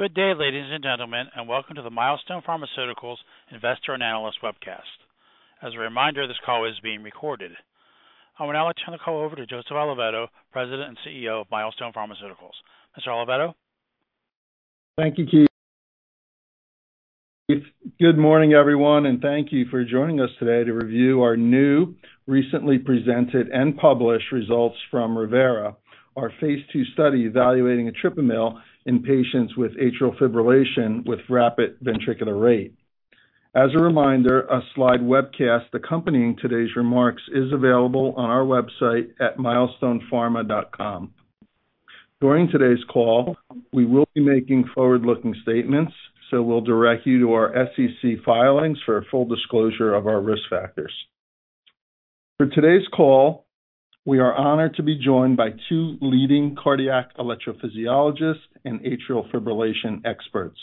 Good day, ladies and gentlemen, and welcome to the Milestone Pharmaceuticals investor analyst webcast. As a reminder, this call is being recorded. I will now turn the call over to Joseph Oliveto, President and CEO of Milestone Pharmaceuticals. Mr. Oliveto? Thank you, Keith. Good morning, everyone, and thank you for joining us today to review our new, recently presented and published results from ReVeRA, our phase II study evaluating etripamil in patients with atrial fibrillation, with rapid ventricular rate. As a reminder, a slide webcast accompanying today's remarks is available on our website at milestonepharma.com. During today's call, we will be making forward-looking statements, so we'll direct you to our SEC filings for a full disclosure of our risk factors. For today's call, we are honored to be joined by two leading cardiac electrophysiologists and atrial fibrillation experts.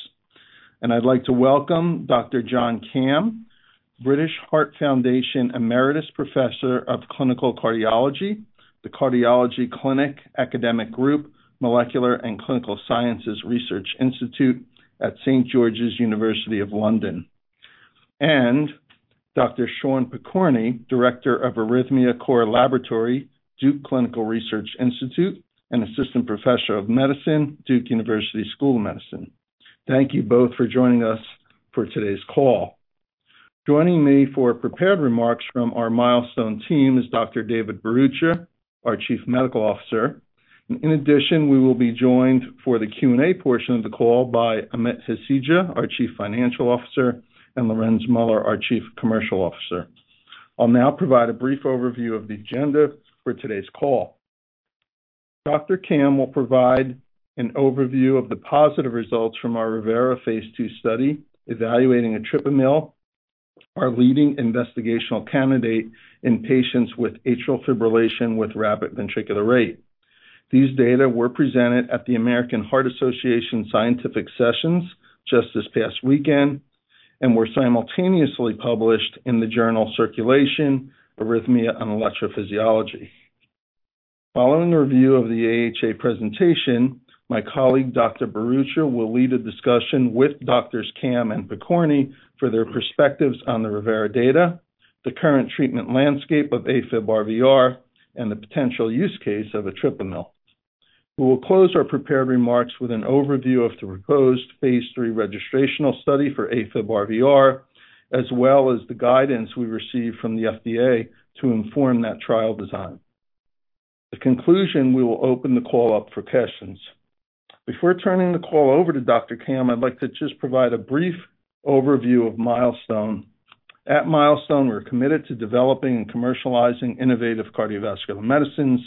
I'd like to welcome Dr. John Camm, British Heart Foundation Emeritus Professor of Clinical Cardiology, the Cardiology Clinical Academic Group, Molecular, and Clinical Sciences Research Institute at St George's, University of London. And Dr. Sean Pokorney, Director of Arrhythmia Core Laboratory, Duke Clinical Research Institute, and Assistant Professor of Medicine, Duke University School of Medicine. Thank you both for joining us for today's call. Joining me for prepared remarks from our Milestone team is Dr. David Bharucha, our Chief Medical Officer. In addition, we will be joined for the Q&A portion of the call by Amit Hasija, our Chief Financial Officer, and Lorenz Muller, our Chief Commercial Officer. I'll now provide a brief overview of the agenda for today's call. Dr. Camm will provide an overview of the positive results from our ReVeRA phase II study, evaluating etripamil, our leading investigational candidate in patients with atrial fibrillation with rapid ventricular rate. These data were presented at the American Heart Association Scientific Sessions just this past weekend and were simultaneously published in the journal Circulation: Arrhythmia and Electrophysiology. Following a review of the AHA presentation, my colleague, Dr. Bharucha, will lead a discussion with Doctors Camm and Pokorney for their perspectives on the ReVeRA data, the current treatment landscape of AFib-RVR, and the potential use case of etripamil. We will close our prepared remarks with an overview of the proposed phase III registrational study for AFib-RVR, as well as the guidance we received from the FDA to inform that trial design. In conclusion, we will open the call up for questions. Before turning the call over to Dr. Camm, I'd like to just provide a brief overview of Milestone. At Milestone, we're committed to developing and commercializing innovative cardiovascular medicines.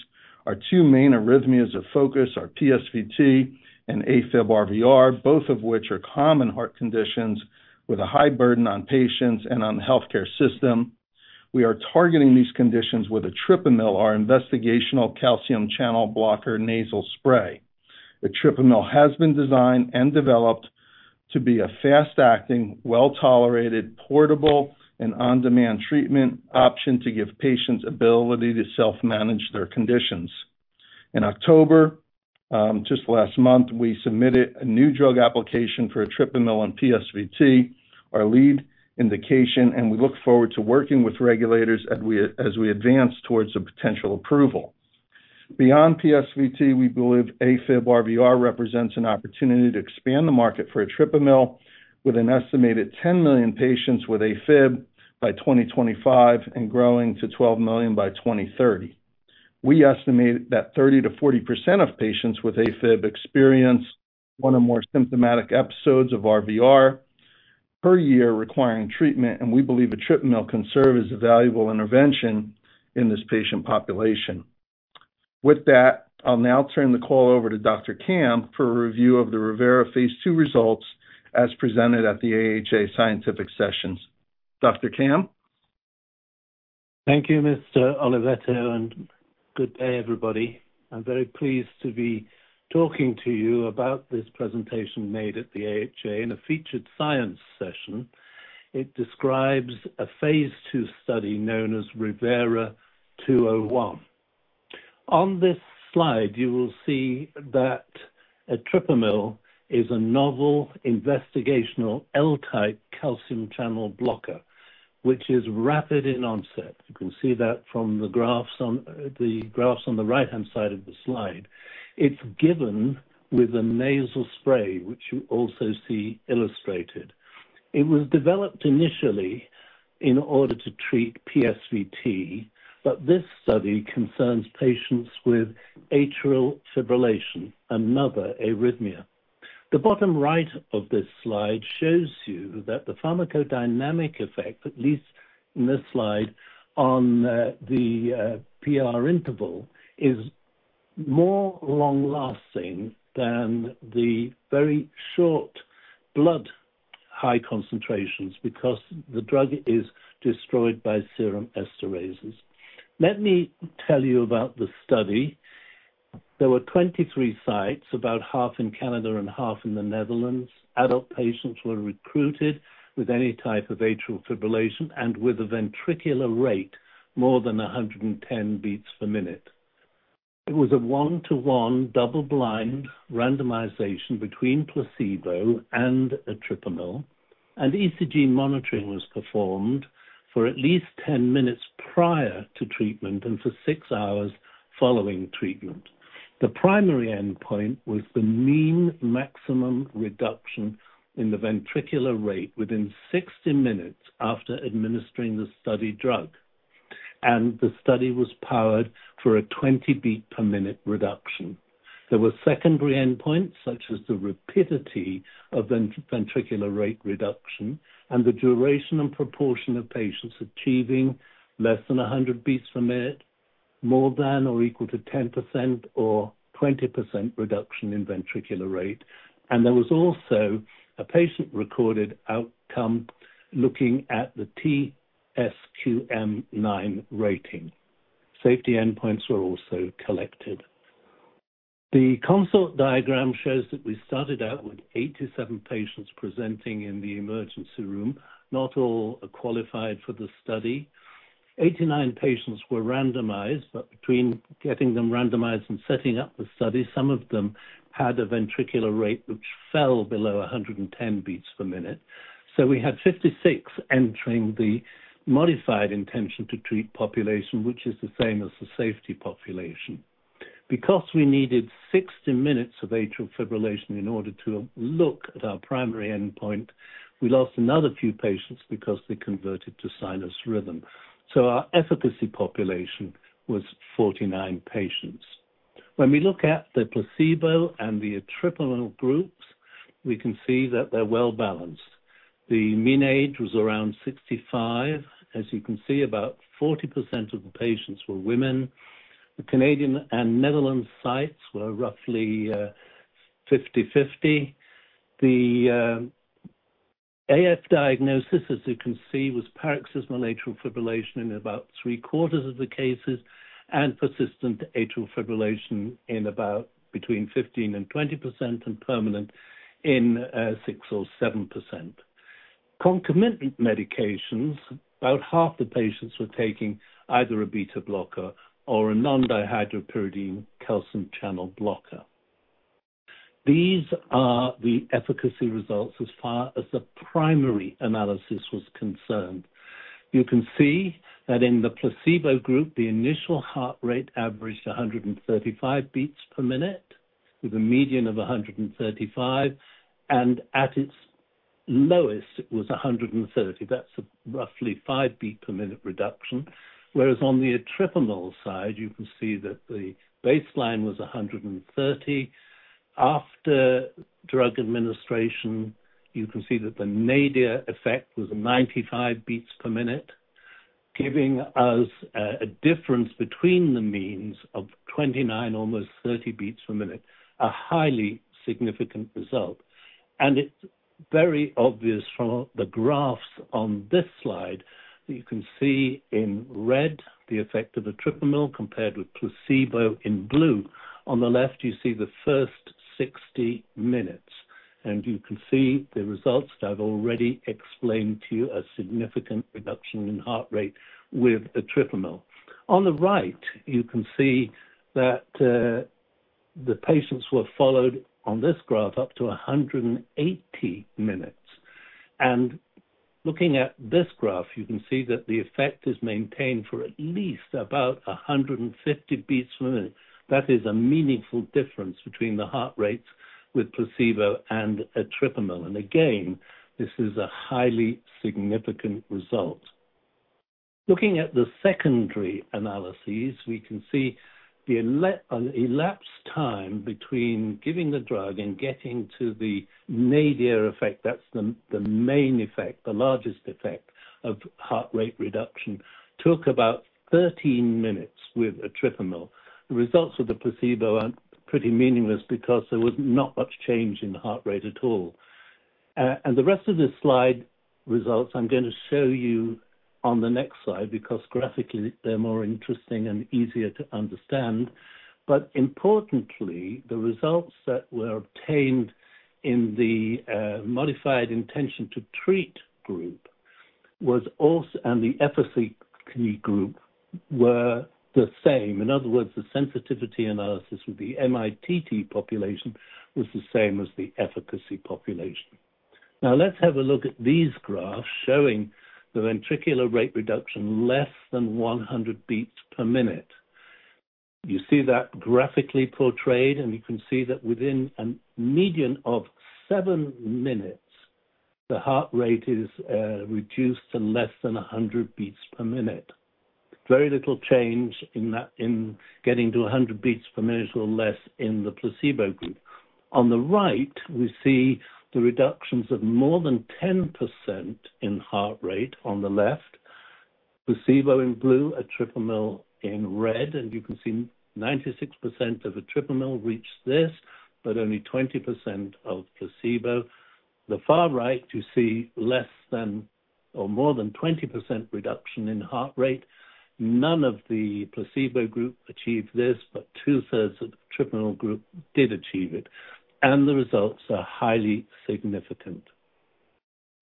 Our two main arrhythmias of focus are PSVT and AFib-RVR, both of which are common heart conditions with a high burden on patients and on the healthcare system. We are targeting these conditions with etripamil, our investigational calcium channel blocker nasal spray. Etripamil has been designed and developed to be a fast-acting, well-tolerated, portable, and on-demand treatment option to give patients ability to self-manage their conditions. In October, just last month, we submitted a new drug application for etripamil on PSVT, our lead indication, and we look forward to working with regulators as we advance towards a potential approval. Beyond PSVT, we believe AFib-RVR represents an opportunity to expand the market for etripamil with an estimated 10 million patients with AFib by 2025 and growing to 12 million by 2030. We estimate that 30% to 40% of patients with AFib experience one or more symptomatic episodes of RVR per year, requiring treatment, and we believe etripamil can serve as a valuable intervention in this patient population. With that, I'll now turn the call over to Dr. Camm for a review of the ReVeRA phase II results, as presented at the AHA Scientific Sessions. Dr. Camm? Thank you, Mr. Oliveto, and good day, everybody. I'm very pleased to be talking to you about this presentation made at the AHA in a featured science session. It describes a phase II study known as ReVeRA-201. On this slide, you will see that etripamil is a novel investigational L-type calcium channel blocker, which is rapid in onset. You can see that from the graphs on the right-hand side of the slide. It's given with a nasal spray, which you also see illustrated. It was developed initially in order to treat PSVT, but this study concerns patients with atrial fibrillation, another arrhythmia. The bottom right of this slide shows you that the pharmacodynamic effect, at least in this slide on the PR interval, is more long-lasting than the very short blood high concentrations because the drug is destroyed by serum esterases. Let me tell you about the study. There were 23 sites, about half in Canada and half in the Netherlands. Adult patients were recruited with any type of atrial fibrillation and with a ventricular rate more than 110 beats per minute. It was a 1:1 double-blind randomization between placebo and etripamil, and ECG monitoring was performed for at least 10 minutes prior to treatment and for 6 hours following treatment. The primary endpoint was the mean maximum reduction in the ventricular rate within 60 minutes after administering the study drug, and the study was powered for a 20-beat-per-minute reduction. There were secondary endpoints, such as the rapidity of ventricular rate reduction and the duration and proportion of patients achieving less than 100 beats per minute, more than or equal to 10% or 20% reduction in ventricular rate. There was also a patient-reported outcome looking at the TSQM-9 rating. Safety endpoints were also collected. The CONSORT diagram shows that we started out with 87 patients presenting in the emergency room. Not all are qualified for the study. 89 patients were randomized, but between getting them randomized and setting up the study, some of them had a ventricular rate which fell below 110 beats per minute. So we had 56 entering the modified intention-to-treat population, which is the same as the safety population. Because we needed 60 minutes of atrial fibrillation in order to look at our primary endpoint, we lost another few patients because they converted to sinus rhythm, so our efficacy population was 49 patients. When we look at the placebo and the etripamil groups, we can see that they're well-balanced. The mean age was around 65. As you can see, about 40% of the patients were women. The Canadian and Netherlands sites were roughly 50/50. The AF diagnosis, as you can see, was paroxysmal atrial fibrillation in about three-quarters of the cases, and persistent atrial fibrillation in about between 15% and 20%, and permanent in 6% or 7%. Concomitant medications, about half the patients were taking either a beta blocker or a non-dihydropyridine calcium channel blocker. These are the efficacy results as far as the primary analysis was concerned. You can see that in the placebo group, the initial heart rate averaged 135 beats per minute, with a median of 135, and at its lowest, it was 130. That's a roughly 5-beat-per-minute reduction. Whereas on the etripamil side, you can see that the baseline was 130. After drug administration, you can see that the nadir effect was 95 beats per minute, giving us a difference between the means of 29, almost 30 beats per minute, a highly significant result. And it's very obvious from the graphs on this slide, you can see in red the effect of etripamil compared with placebo in blue. On the left, you see the first 60 minutes, and you can see the results that I've already explained to you, a significant reduction in heart rate with etripamil. On the right, you can see that the patients were followed on this graph up to 180 minutes. And looking at this graph, you can see that the effect is maintained for at least about 150 beats per minute. That is a meaningful difference between the heart rates with placebo and etripamil. And again, this is a highly significant result. Looking at the secondary analyses, we can see the elapsed time between giving the drug and getting to the nadir effect, that's the main effect, the largest effect of heart rate reduction, took about 13 minutes with etripamil. The results of the placebo are pretty meaningless because there was not much change in the heart rate at all. And the rest of the slide results, I'm going to show you on the next slide, because graphically, they're more interesting and easier to understand. But importantly, the results that were obtained in the modified intention-to-treat group was also and the efficacy group were the same. In other words, the sensitivity analysis with the mITT population was the same as the efficacy population. Now, let's have a look at these graphs showing the ventricular rate reduction, less than 100 beats per minute. You see that graphically portrayed, and you can see that within a median of 7 minutes, the heart rate is, reduced to less than 100 beats per minute. Very little change in that, in getting to 100 beats per minute or less in the placebo group. On the right, we see the reductions of more than 10% in heart rate. On the left, placebo in blue, etripamil in red, and you can see 96% of etripamil reached this, but only 20% of placebo. The far right, you see less than or more than 20% reduction in heart rate. None of the placebo group achieved this, but two-thirds of the etripamil group did achieve it, and the results are highly significant.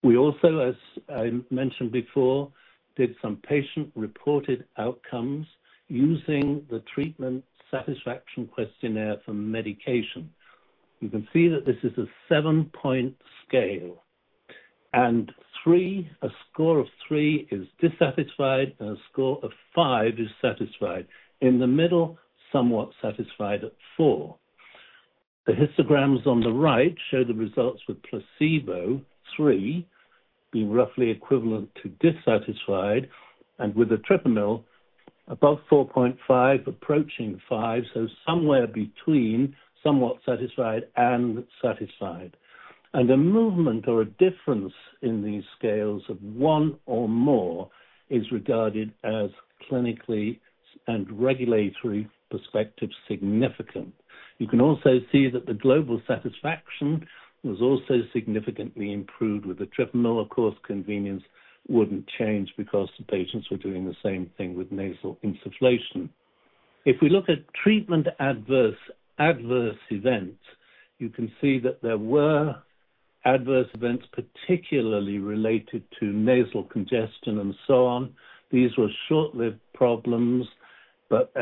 We also, as I mentioned before, did some patient-reported outcomes using the Treatment Satisfaction Questionnaire for Medication. You can see that this is a 7-point scale, and three, a score of three is dissatisfied, and a score of five is satisfied. In the middle, somewhat satisfied at four. The histograms on the right show the results with placebo, three, being roughly equivalent to dissatisfied, and with etripamil, above 4.5, approaching five, so somewhere between somewhat satisfied and satisfied. And a movement or a difference in these scales of one or more is regarded as clinically and regulatory perspective significant. You can also see that the global satisfaction was also significantly improved with etripamil. Of course, convenience wouldn't change because the patients were doing the same thing with nasal insufflation. If we look at treatment adverse events, you can see that there were adverse events, particularly related to nasal congestion and so on. These were short-lived problems, but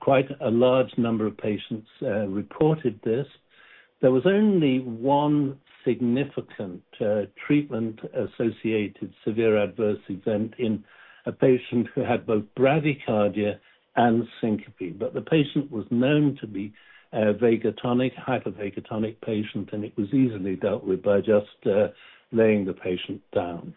quite a large number of patients reported this. There was only one significant treatment-associated severe adverse event in a patient who had both bradycardia and syncope. But the patient was known to be a vagotonic, hypervagotonic patient, and it was easily dealt with by just laying the patient down.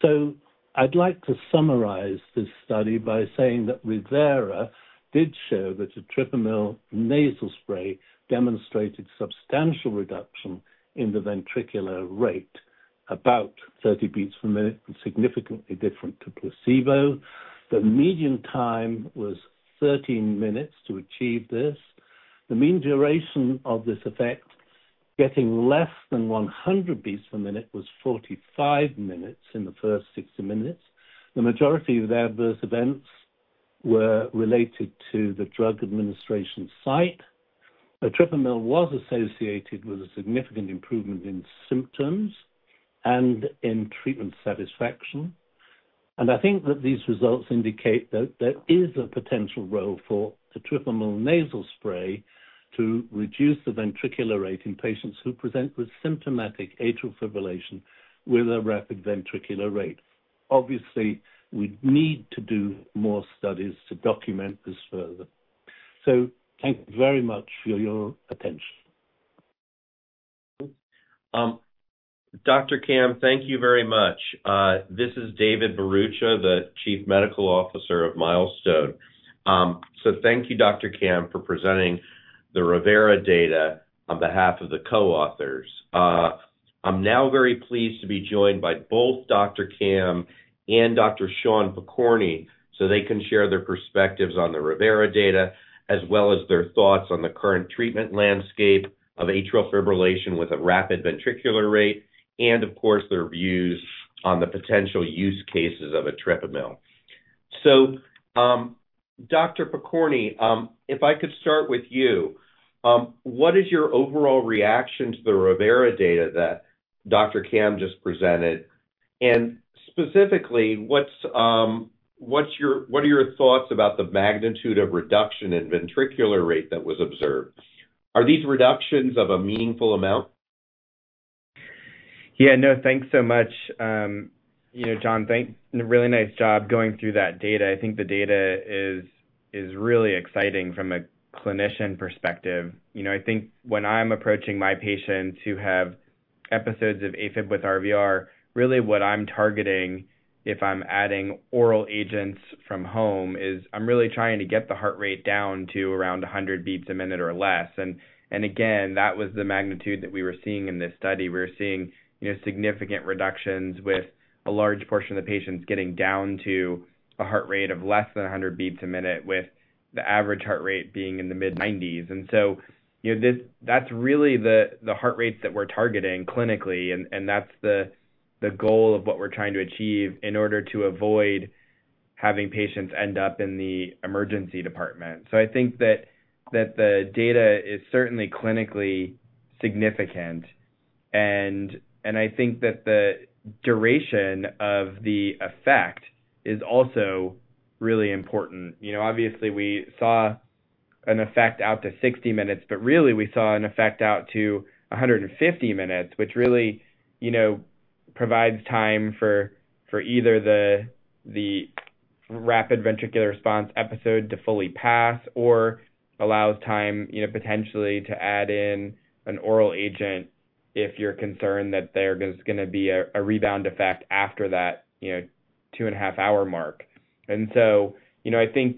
So I'd like to summarize this study by saying that ReVeRA did show that etripamil nasal spray demonstrated substantial reduction in the ventricular rate, about 30 beats per minute, and significantly different to placebo. The median time was 13 minutes to achieve this. The mean duration of this effect, getting less than 100 beats per minute, was 45 minutes in the first 60 minutes. The majority of the adverse events were related to the drug administration site. Etripamil was associated with a significant improvement in symptoms and in treatment satisfaction. I think that these results indicate that there is a potential role for etripamil nasal spray to reduce the ventricular rate in patients who present with symptomatic atrial fibrillation with a rapid ventricular rate. Obviously, we'd need to do more studies to document this further. Thank you very much for your attention. Dr. Camm, thank you very much. This is David Bharucha, the Chief Medical Officer of Milestone. So thank you, Dr. Camm, for presenting the ReVeRA data on behalf of the co-authors. I'm now very pleased to be joined by both Dr. Camm and Dr. Sean Pokorny, so they can share their perspectives on the ReVeRA data, as well as their thoughts on the current treatment landscape of atrial fibrillation with a rapid ventricular rate, and of course, their views on the potential use cases of etripamil. So, Dr. Pokorney, if I could start with you, what is your overall reaction to the ReVeRA data that Dr. Camm just presented? And specifically, what are your thoughts about the magnitude of reduction in ventricular rate that was observed? Are these reductions of a meaningful amount? Yeah. No, thanks so much. You know, John, thanks, really nice job going through that data. I think the data is really exciting from a clinician perspective. You know, I think when I'm approaching my patients who have episodes of AFib with RVR, really what I'm targeting, if I'm adding oral agents from home, is I'm really trying to get the heart rate down to around 100 beats a minute or less. And again, that was the magnitude that we were seeing in this study. We were seeing, you know, significant reductions with a large portion of the patients getting down to a heart rate of less than 100 beats a minute, with the average heart rate being in the mid-90s. And so, you know, this—that's really the heart rates that we're targeting clinically, and that's the goal of what we're trying to achieve in order to avoid having patients end up in the emergency department. So I think that the data is certainly clinically significant, and I think that the duration of the effect is also really important. You know, obviously, we saw an effect out to 60 minutes, but really, we saw an effect out to 150 minutes, which really, you know, provides time for either the rapid ventricular response episode to fully pass or allows time, you know, potentially to add in an oral agent if you're concerned that there is gonna be a rebound effect after that, you know, 2.5-hour mark. So, you know, I think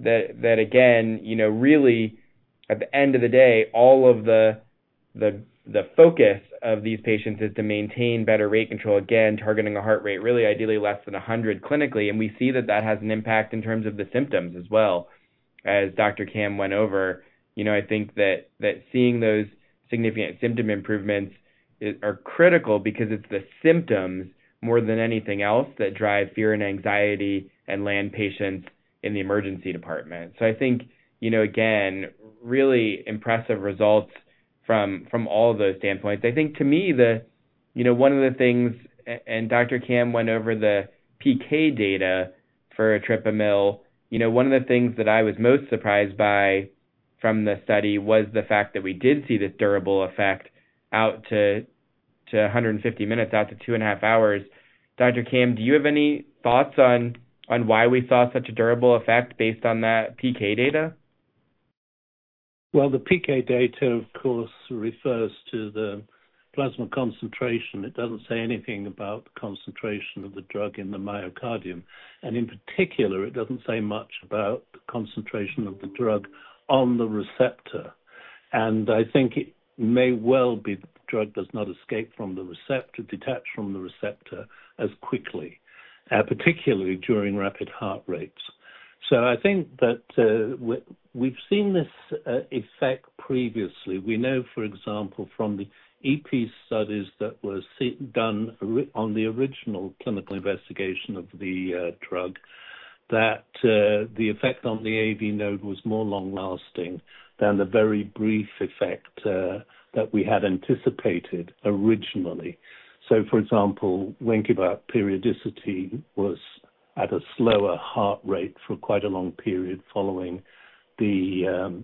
that again, you know, really, at the end of the day, all of the focus of these patients is to maintain better rate control. Again, targeting a heart rate, really, ideally, less than 100 clinically. And we see that that has an impact in terms of the symptoms as well. As Dr. Camm went over, you know, I think that seeing those significant symptom improvements are critical because it's the symptoms, more than anything else, that drive fear and anxiety and land patients in the emergency department. So I think, you know, again, really impressive results from all those standpoints. I think to me, you know, one of the things, and Dr. Camm went over the PK data for etripamil. You know, one of the things that I was most surprised by from the study was the fact that we did see this durable effect out to, to 150 minutes, out to 2.5 hours. Dr. Camm, do you have any thoughts on, on why we saw such a durable effect based on that PK data? Well, the PK data, of course, refers to the plasma concentration. It doesn't say anything about the concentration of the drug in the myocardium, and in particular, it doesn't say much about the concentration of the drug on the receptor. And I think it may well be the drug does not escape from the receptor, detach from the receptor as quickly, particularly during rapid heart rates. So I think that we've seen this effect previously. We know, for example, from the EP studies that were done on the original clinical investigation of the drug, that the effect on the AV node was more long-lasting than the very brief effect that we had anticipated originally. So, for example, Wenckebach periodicity was at a slower heart rate for quite a long period following the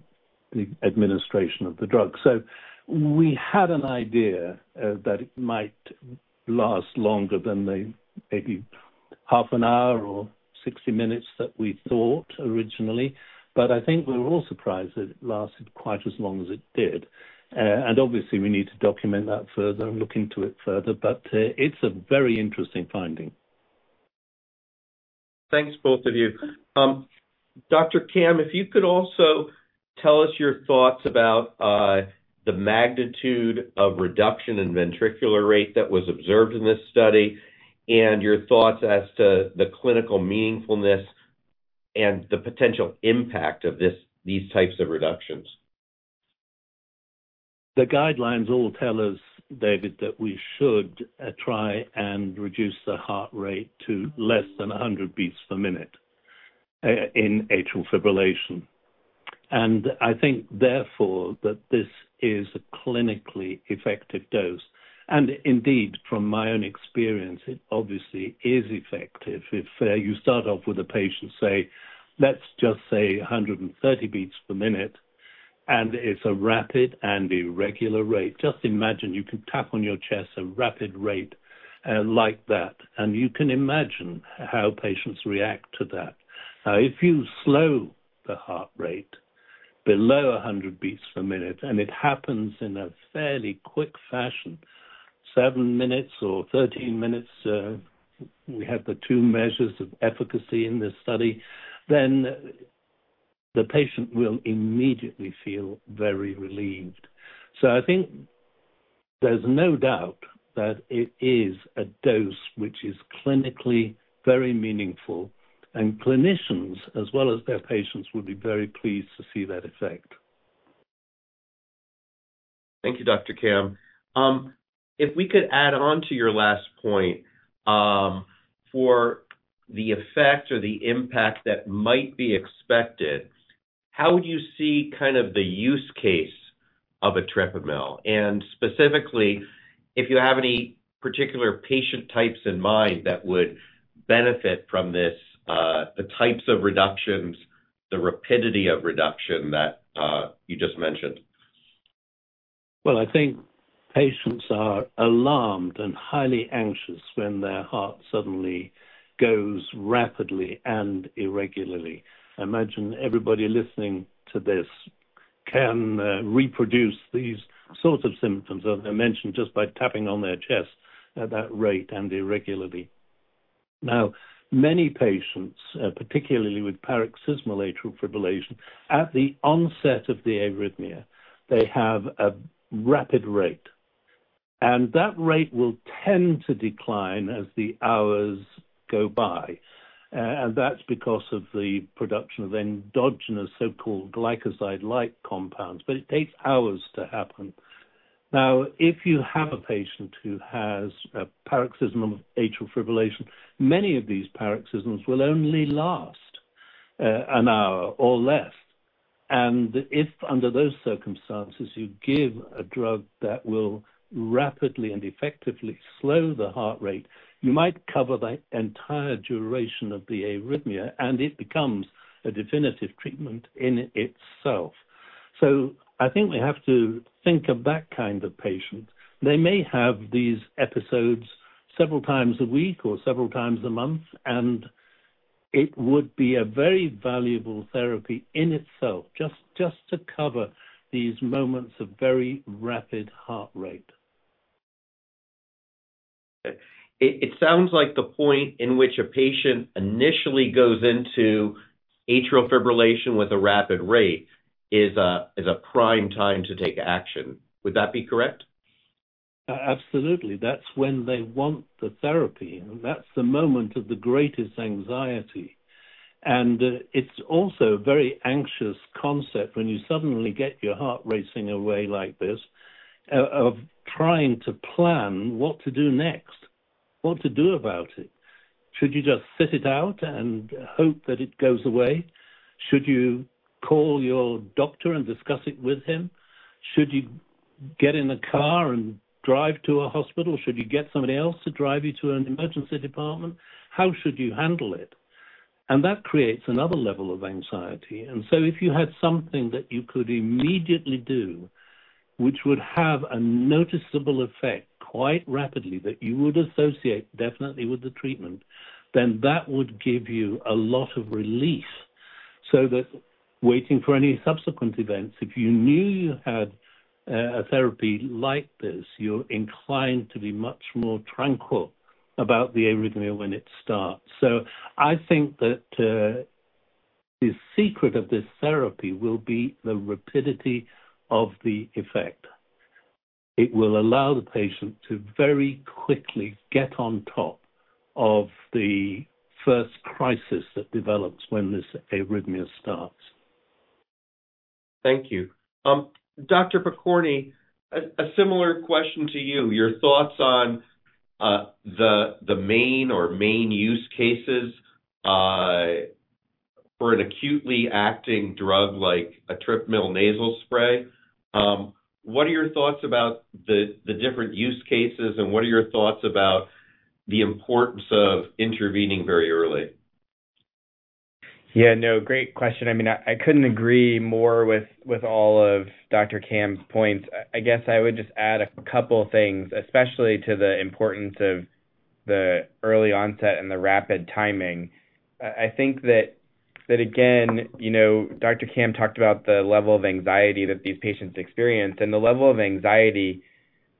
administration of the drug. So we had an idea that it might last longer than the maybe half an hour or 60 minutes that we thought originally, but I think we were all surprised that it lasted quite as long as it did. And obviously, we need to document that further and look into it further, but it's a very interesting finding. Thanks, both of you. Dr. Camm, if you could also tell us your thoughts about the magnitude of reduction in ventricular rate that was observed in this study, and your thoughts as to the clinical meaningfulness and the potential impact of these types of reductions? The guidelines all tell us, David, that we should try and reduce the heart rate to less than 100 beats per minute in atrial fibrillation. And I think, therefore, that this is a clinically effective dose, and indeed, from my own experience, it obviously is effective. If you start off with a patient, say, let's just say 130 beats per minute, and it's a rapid and irregular rate, just imagine you can tap on your chest a rapid rate like that, and you can imagine how patients react to that. Now, if you slow the heart rate below 100 beats per minute and it happens in a fairly quick fashion, 7 minutes or 13 minutes, we had the two measures of efficacy in this study, then the patient will immediately feel very relieved. I think there's no doubt that it is a dose which is clinically very meaningful, and clinicians, as well as their patients, would be very pleased to see that effect. Thank you, Dr. Camm. If we could add on to your last point, for the effect or the impact that might be expected, how would you see kind of the use case of etripamil? And specifically, if you have any particular patient types in mind that would benefit from this, the types of reductions, the rapidity of reduction that, you just mentioned. Well, I think patients are alarmed and highly anxious when their heart suddenly goes rapidly and irregularly. I imagine everybody listening to this can reproduce these sorts of symptoms, as I mentioned, just by tapping on their chest at that rate and irregularly. Now, many patients, particularly with paroxysmal atrial fibrillation, at the onset of the arrhythmia, they have a rapid rate, and that rate will tend to decline as the hours go by. And that's because of the production of endogenous, so-called glycoside-like compounds, but it takes hours to happen. Now, if you have a patient who has a paroxysmal atrial fibrillation, many of these paroxysms will only last an hour or less. If, under those circumstances, you give a drug that will rapidly and effectively slow the heart rate, you might cover the entire duration of the arrhythmia, and it becomes a definitive treatment in itself. So I think we have to think of that kind of patient. They may have these episodes several times a week or several times a month, and it would be a very valuable therapy in itself, just, just to cover these moments of very rapid heart rate. It sounds like the point in which a patient initially goes into atrial fibrillation with a rapid rate is a prime time to take action. Would that be correct? Absolutely. That's when they want the therapy, and that's the moment of the greatest anxiety. And, it's also a very anxious concept when you suddenly get your heart racing away like this, of trying to plan what to do next, what to do about it? Should you just sit it out and hope that it goes away? Should you call your doctor and discuss it with him? Should you get in a car and drive to a hospital? Should you get somebody else to drive you to an emergency department? How should you handle it? And that creates another level of anxiety. And so if you had something that you could immediately do, which would have a noticeable effect quite rapidly, that you would associate definitely with the treatment, then that would give you a lot of relief, so that waiting for any subsequent events, if you knew you had a therapy like this, you're inclined to be much more tranquil about the arrhythmia when it starts. So I think that, the secret of this therapy will be the rapidity of the effect. It will allow the patient to very quickly get on top of the first crisis that develops when this arrhythmia starts. Thank you. Dr. Pokorney, a similar question to you. Your thoughts on the main use cases for an acutely acting drug like etripamil nasal spray. What are your thoughts about the different use cases, and what are your thoughts about the importance of intervening very early? Yeah, no, great question. I mean, I, I couldn't agree more with, with all of Dr. Camm's points. I, I guess I would just add a couple things, especially to the importance of the early onset and the rapid timing. I, I think that, that again, you know, Dr. Camm talked about the level of anxiety that these patients experience, and the level of anxiety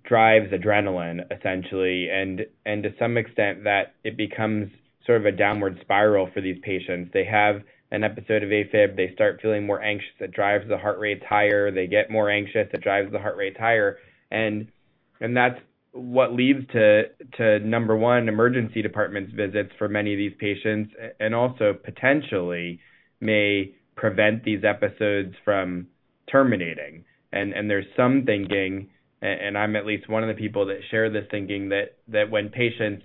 drives adrenaline, essentially, and, and to some extent that it becomes sort of a downward spiral for these patients. They have an episode of AFib, they start feeling more anxious. It drives the heart rates higher. They get more anxious. It drives the heart rates higher. And, and that's what leads to, to, number one, emergency department visits for many of these patients and, and also potentially may prevent these episodes from terminating. There's some thinking, and I'm at least one of the people that share this thinking, that when patients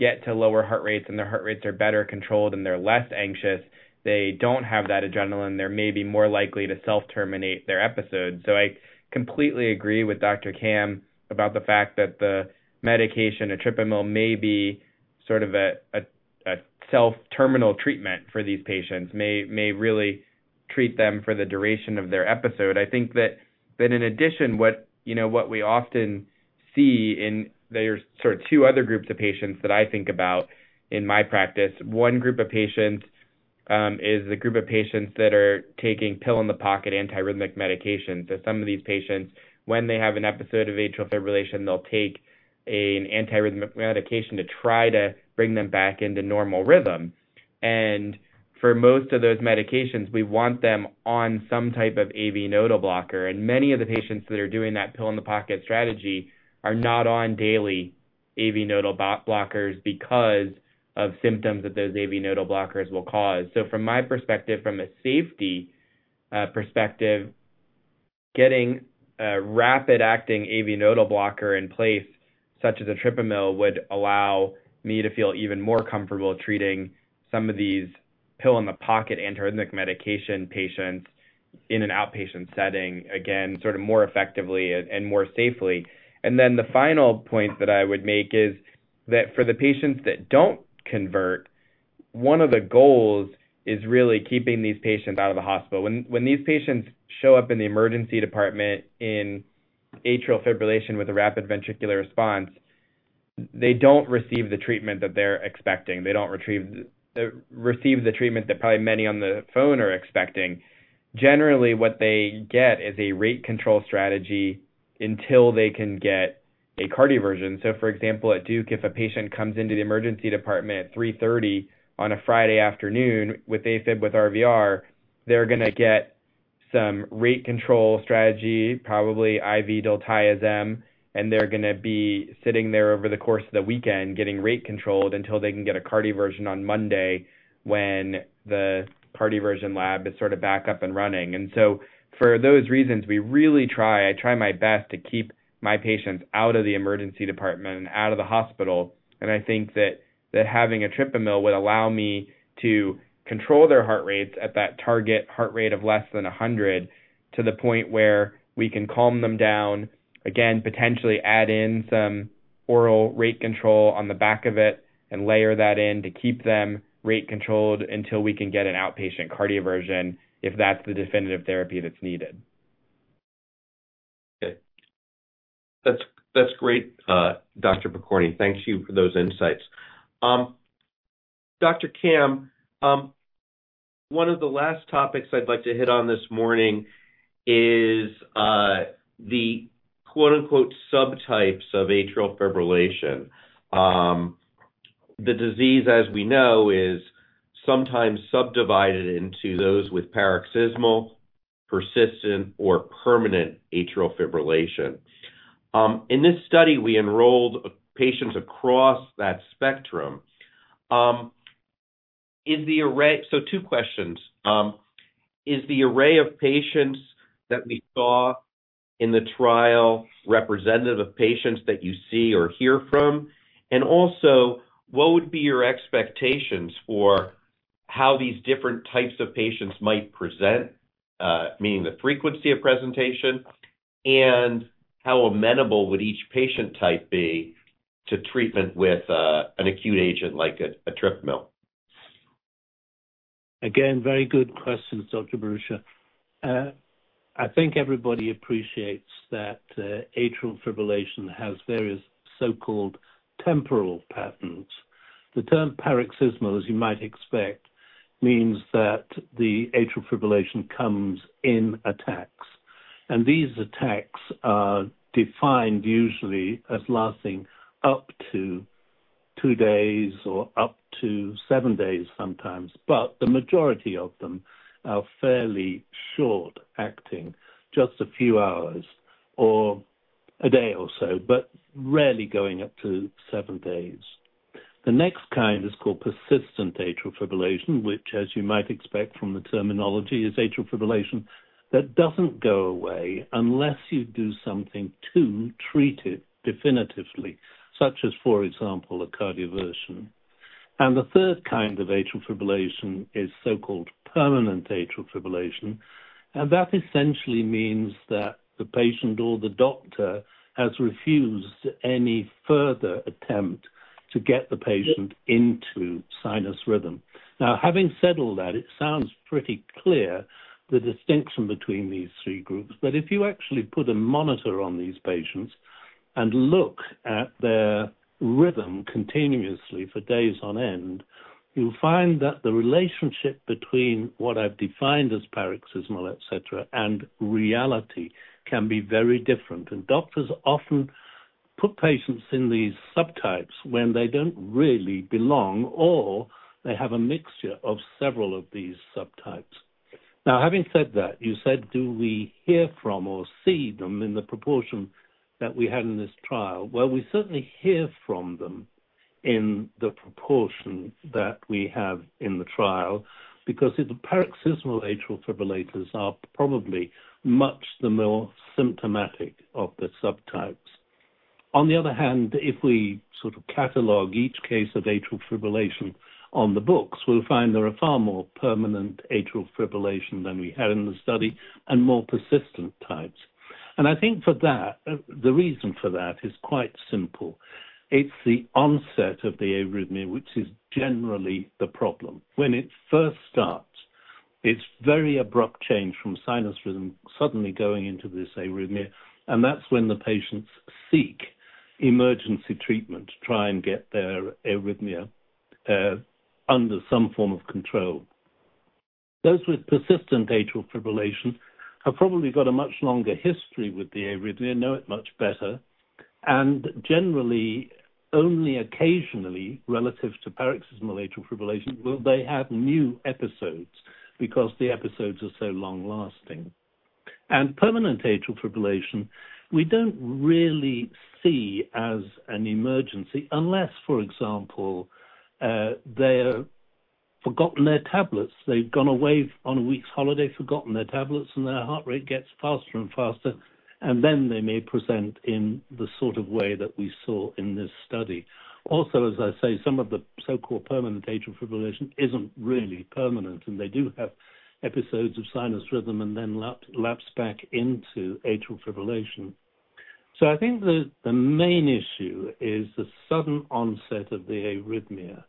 get to lower heart rates and their heart rates are better controlled and they're less anxious, they don't have that adrenaline, they may be more likely to self-terminate their episode. So I completely agree with Dr. Camm about the fact that the medication, etripamil, may be sort of a self-terminating treatment for these patients, may really treat them for the duration of their episode. I think that in addition, you know, what we often see in. There's sort of two other groups of patients that I think about in my practice. One group of patients is the group of patients that are taking pill-in-the-pocket antiarrhythmic medications. So some of these patients, when they have an episode of atrial fibrillation, they'll take an antiarrhythmic medication to try to bring them back into normal rhythm. And for most of those medications, we want them on some type of AV nodal blocker, and many of the patients that are doing that pill-in-the-pocket strategy are not on daily AV nodal blockers because of symptoms that those AV nodal blockers will cause. So from my perspective, from a safety perspective, getting a rapid-acting AV nodal blocker in place, such as etripamil, would allow me to feel even more comfortable treating some of these pill-in-the-pocket antiarrhythmic medication patients in an outpatient setting, again, sort of more effectively and more safely. And then the final point that I would make is that for the patients that don't convert, one of the goals is really keeping these patients out of the hospital. When these patients show up in the emergency department in atrial fibrillation with a rapid ventricular response, they don't receive the treatment that they're expecting. They don't receive the treatment that probably many on the phone are expecting. Generally, what they get is a rate control strategy until they can get a cardioversion. So, for example, at Duke, if a patient comes into the emergency department at 3:30 P.M. on a Friday afternoon with AFib with RVR, they're gonna get some rate control strategy, probably IV diltiazem, and they're gonna be sitting there over the course of the weekend getting rate controlled until they can get a cardioversion on Monday, when the cardioversion lab is sort of back up and running. And so for those reasons, we really try, I try my best to keep my patients out of the emergency department and out of the hospital. And I think that, that having etripamil would allow me to control their heart rates at that target heart rate of less than 100, to the point where we can calm them down. Again, potentially add in some oral rate control on the back of it and layer that in to keep them rate controlled until we can get an outpatient cardioversion, if that's the definitive therapy that's needed. Okay. That's, that's great, Dr. Pokorney. Thank you for those insights. Dr. Camm, one of the last topics I'd like to hit on this morning is the quote-unquote, "subtypes of atrial fibrillation." The disease, as we know, is sometimes subdivided into those with paroxysmal, persistent, or permanent atrial fibrillation. In this study, we enrolled patients across that spectrum. So two questions. Is the array of patients that we saw in the trial representative of patients that you see or hear from? And also, what would be your expectations for how these different types of patients might present, meaning the frequency of presentation, and how amenable would each patient type be to treatment with an acute agent like etripamil? Again, very good questions, Dr. Bharucha. I think everybody appreciates that, atrial fibrillation has various so-called temporal patterns. The term paroxysmal, as you might expect, means that the atrial fibrillation comes in attacks, and these attacks are defined usually as lasting up to two days or up to seven days sometimes, but the majority of them are fairly short-acting, just a few hours or a day or so, but rarely going up to seven days. The next kind is called persistent atrial fibrillation, which, as you might expect from the terminology, is atrial fibrillation that doesn't go away unless you do something to treat it definitively, such as, for example, a cardioversion. And the third kind of atrial fibrillation is so-called permanent atrial fibrillation, and that essentially means that the patient or the doctor has refused any further attempt to get the patient into sinus rhythm. Now, having said all that, it sounds pretty clear, the distinction between these three groups. But if you actually put a monitor on these patients and look at their rhythm continuously for days on end, you'll find that the relationship between what I've defined as paroxysmal, et cetera, and reality can be very different. And doctors often put patients in these subtypes when they don't really belong, or they have a mixture of several of these subtypes. Now, having said that, you said, do we hear from or see them in the proportion that we had in this trial? Well, we certainly hear from them in the proportion that we have in the trial because the paroxysmal atrial fibrillators are probably much the more symptomatic of the subtypes. On the other hand, if we sort of catalog each case of atrial fibrillation on the books, we'll find there are far more permanent atrial fibrillation than we had in the study and more persistent types. And I think for that, the reason for that is quite simple: It's the onset of the arrhythmia, which is generally the problem. When it first starts, it's very abrupt change from sinus rhythm suddenly going into this arrhythmia, and that's when the patients seek emergency treatment to try and get their arrhythmia, under some form of control. Those with persistent atrial fibrillation have probably got a much longer history with the arrhythmia, know it much better, and generally, only occasionally, relative to paroxysmal atrial fibrillation, will they have new episodes because the episodes are so long-lasting. And permanent atrial fibrillation we don't really see as an emergency unless, for example, they've forgotten their tablets. They've gone away on a week's holiday, forgotten their tablets, and their heart rate gets faster and faster, and then they may present in the sort of way that we saw in this study. Also, as I say, some of the so-called permanent atrial fibrillation isn't really permanent, and they do have episodes of sinus rhythm and then lapse back into atrial fibrillation. So I think the main issue is the sudden onset of the arrhythmia,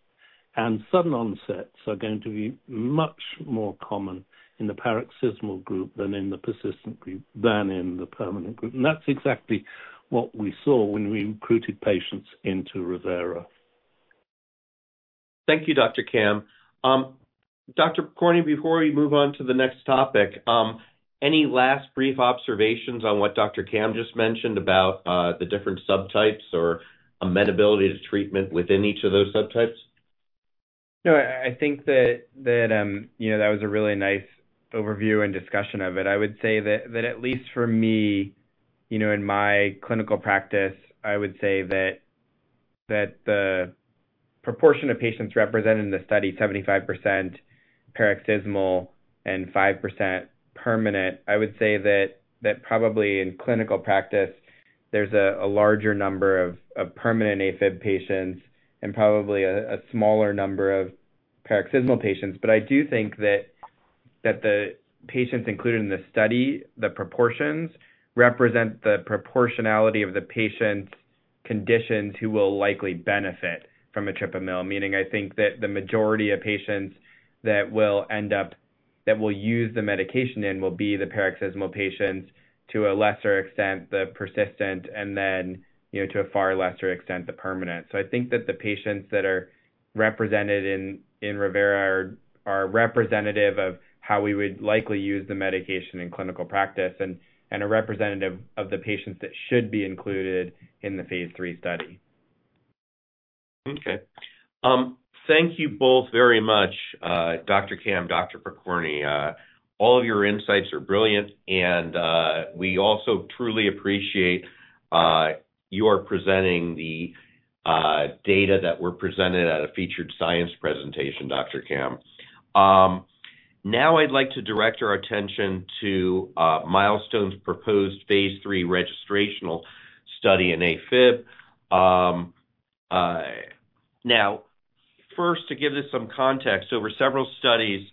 and sudden onsets are going to be much more common in the paroxysmal group than in the persistent group, than in the permanent group. And that's exactly what we saw when we recruited patients into ReVeRA. Thank you, Dr. Camm. Dr. Pokorney, before we move on to the next topic, any last brief observations on what Dr. Camm just mentioned about the different subtypes or amenability to treatment within each of those subtypes? No, I think that you know, that was a really nice overview and discussion of it. I would say that at least for me, you know, in my clinical practice, I would say that the proportion of patients represented in the study, 75% paroxysmal and 5% permanent, I would say that probably in clinical practice there's a larger number of permanent AFib patients and probably a smaller number of paroxysmal patients. But I do think that the patients included in the study, the proportions, represent the proportionality of the patients' conditions who will likely benefit from etripamil. Meaning, I think that the majority of patients that will use the medication in will be the paroxysmal patients, to a lesser extent, the persistent, and then, you know, to a far lesser extent, the permanent. So I think that the patients that are represented in ReVeRA are representative of how we would likely use the medication in clinical practice and are representative of the patients that should be included in the phase III study. Okay. Thank you both very much, Dr. Camm, Dr. Pokorney. All of your insights are brilliant, and we also truly appreciate you are presenting the data that were presented at a featured science presentation, Dr. Camm. Now I'd like to direct your attention to Milestone's proposed phase III registrational study in AFib. Now, first, to give this some context, over several studies,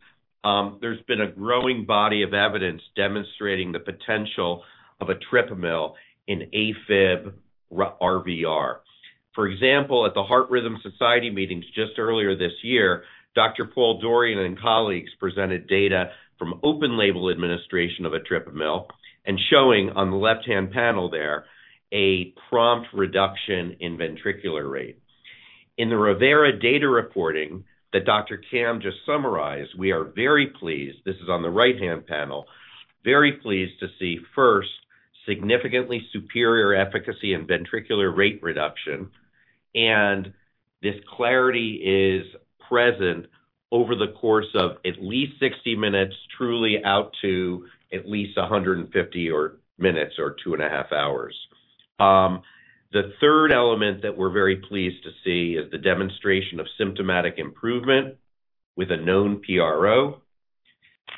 there's been a growing body of evidence demonstrating the potential of etripamil in AFib/RVR. For example, at the Heart Rhythm Society meetings just earlier this year, Dr. Paul Dorian and colleagues presented data from open-label administration of etripamil, and showing, on the left-hand panel there, a prompt reduction in ventricular rate. In the ReVeRA data reporting that Dr. Camm just summarized, we are very pleased. This is on the right-hand panel, very pleased to see, first, significantly superior efficacy in ventricular rate reduction, and this clarity is present over the course of at least 60 minutes, truly out to at least 150 minutes, or 2.5 hours. The third element that we're very pleased to see is the demonstration of symptomatic improvement with a known PRO.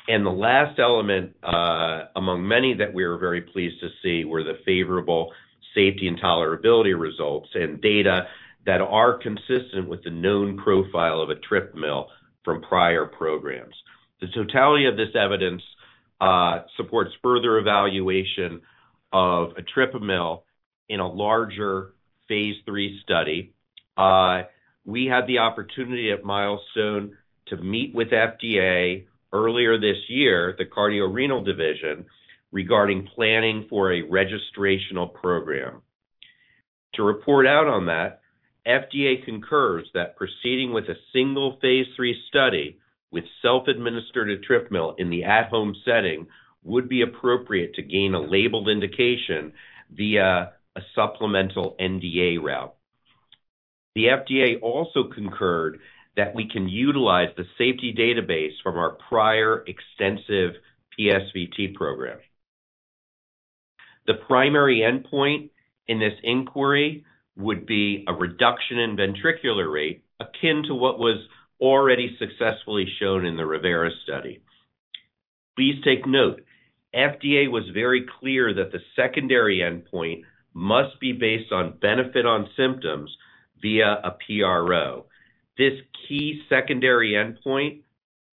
And the last element, among many, that we are very pleased to see, were the favorable safety and tolerability results and data that are consistent with the known profile of etripamil from prior programs. The totality of this evidence supports further evaluation of etripamil in a larger phase III study. We had the opportunity at Milestone to meet with FDA earlier this year, the Cardio-Renal Division, regarding planning for a registrational program. To report out on that, FDA concurs that proceeding with a single phase III study with self-administered etripamil in the at-home setting would be appropriate to gain a labeled indication via a supplemental NDA route. The FDA also concurred that we can utilize the safety database from our prior extensive PSVT program. The primary endpoint in this inquiry would be a reduction in ventricular rate, akin to what was already successfully shown in the ReVeRA study. Please take note, FDA was very clear that the secondary endpoint must be based on benefit on symptoms via a PRO. This key secondary endpoint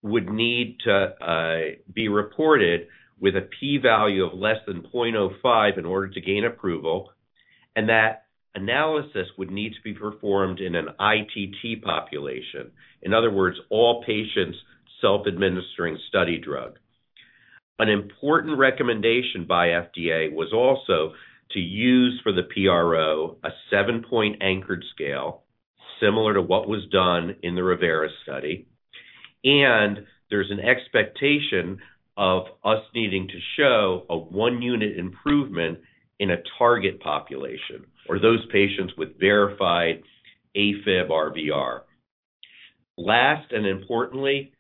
would need to be reported with a p-value of less than 0.05 in order to gain approval, and that analysis would need to be performed in an ITT population. In other words, all patients self-administering study drug. An important recommendation by FDA was also to use, for the PRO, a seven-point anchored scale, similar to what was done in the ReVeRA study. And there's an expectation of us needing to show a one-unit improvement in a target population for those patients with verified AFib-RVR. Last, and importantly,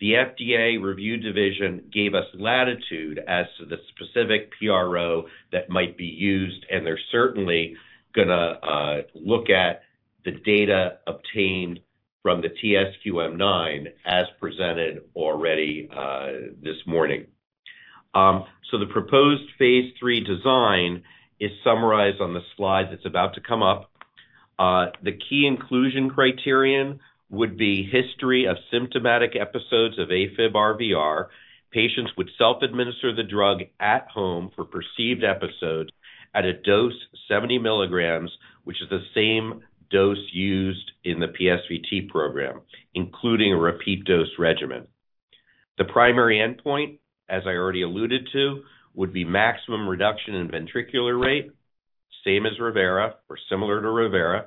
the FDA review division gave us latitude as to the specific PRO that might be used, and they're certainly going to look at the data obtained from the TSQM-9, as presented already this morning. So the proposed phase III design is summarized on the slide that's about to come up. The key inclusion criterion would be history of symptomatic episodes of AFib-RVR. Patients would self-administer the drug at home for perceived episodes at a dose 70 mg, which is the same dose used in the PSVT program, including a repeat dose regimen. The primary endpoint, as I already alluded to, would be maximum reduction in ventricular rate, same as ReVeRA or similar to ReVeRA.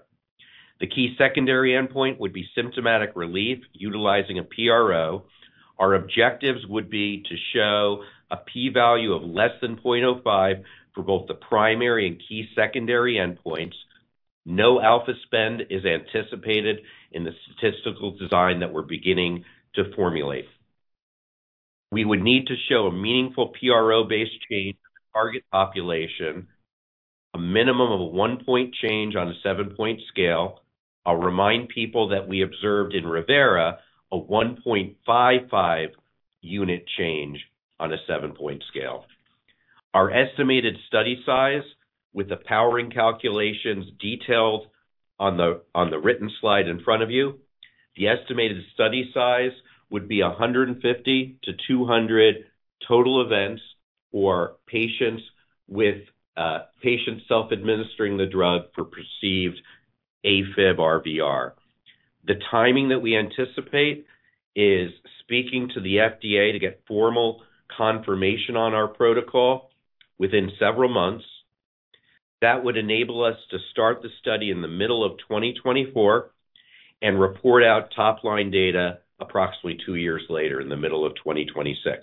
The key secondary endpoint would be symptomatic relief utilizing a PRO. Our objectives would be to show a p-value of less than 0.05 for both the primary and key secondary endpoints. No alpha spend is anticipated in the statistical design that we're beginning to formulate. We would need to show a meaningful PRO-based change in the target population, a minimum of a 1-point change on a 7-point scale. I'll remind people that we observed in ReVeRA a 1.55-unit change on a 7-point scale. Our estimated study size, with the powering calculations detailed on the, on the written slide in front of you, the estimated study size would be 150 to 200 total events for patients with, patients self-administering the drug for perceived AFib-RVR. The timing that we anticipate is speaking to the FDA to get formal confirmation on our protocol within several months. That would enable us to start the study in the middle of 2024 and report out top-line data approximately two years later, in the middle of 2026.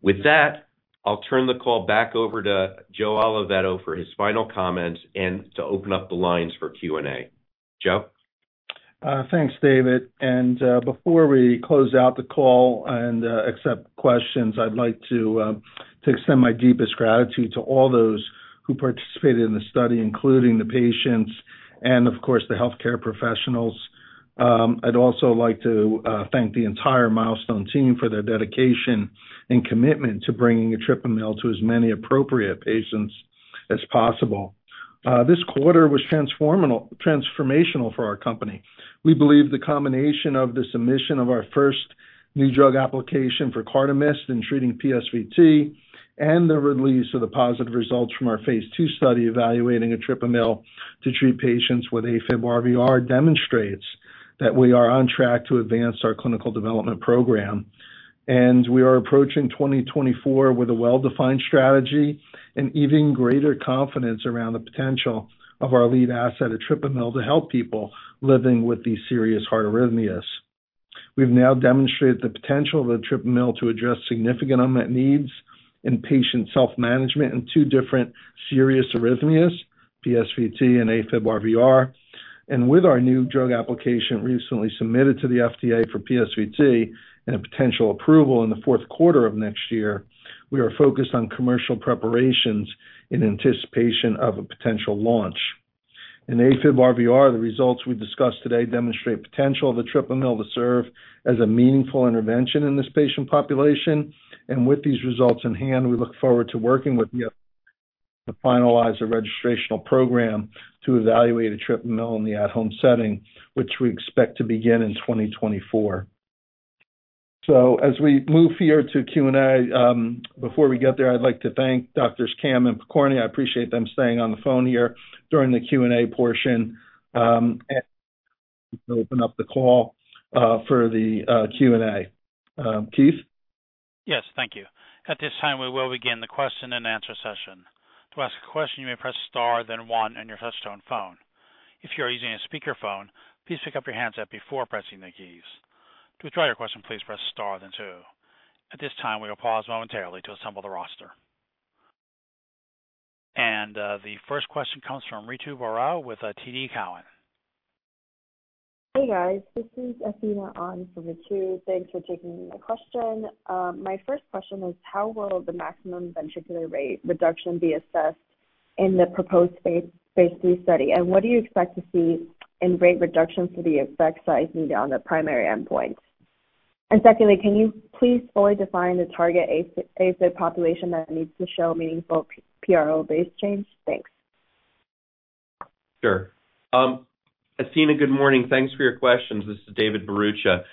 With that, I'll turn the call back over to Joe Oliveto for his final comments and to open up the lines for Q&A. Joe? Thanks, David. Before we close out the call and accept questions, I'd like to extend my deepest gratitude to all those who participated in the study, including the patients and, of course, the healthcare professionals. I'd also like to thank the entire Milestone team for their dedication and commitment to bringing etripamil to as many appropriate patients as possible. This quarter was transformational for our company. We believe the combination of the submission of our first new drug application for Cardamyst in treating PSVT and the release of the positive results from our phase II study, evaluating etripamil to treat patients with AFib-RVR, demonstrates that we are on track to advance our clinical development program. We are approaching 2024 with a well-defined strategy and even greater confidence around the potential of our lead asset, etripamil, to help people living with these serious heart arrhythmias. We've now demonstrated the potential of etripamil to address significant unmet needs in patient self-management in two different serious arrhythmias, PSVT and AFib-RVR. With our new drug application recently submitted to the FDA for PSVT and a potential approval in the fourth quarter of next year, we are focused on commercial preparations in anticipation of a potential launch. In AFib-RVR, the results we've discussed today demonstrate the potential of etripamil to serve as a meaningful intervention in this patient population, and with these results in hand, we look forward to working with the FDA to finalize a registrational program to evaluate etripamil in the at-home setting, which we expect to begin in 2024. So as we move here to Q&A, before we get there, I'd like to thank Doctors Camm and Pokorney. I appreciate them staying on the phone here during the Q&A portion. And open up the call for the Q&A. Keith? Yes, thank you. At this time, we will begin the question-and-answer session. To ask a question, you may press star then one on your touch-tone phone. If you are using a speakerphone, please pick up your handset before pressing the keys. To withdraw your question, please press star then two. At this time, we will pause momentarily to assemble the roster. And, the first question comes from Ritu Baral with TD Cowen. Hey, guys. This is Athena on for Ritu. Thanks for taking my question. My first question was, how will the maximum ventricular rate reduction be assessed in the proposed phase III study? And what do you expect to see in rate reductions for the effect size needed on the primary endpoint? And secondly, can you please fully define the target AFib population that needs to show meaningful PRO-based change? Thanks. Sure. Athena, good morning. Thanks for your questions. This is David Bharucha.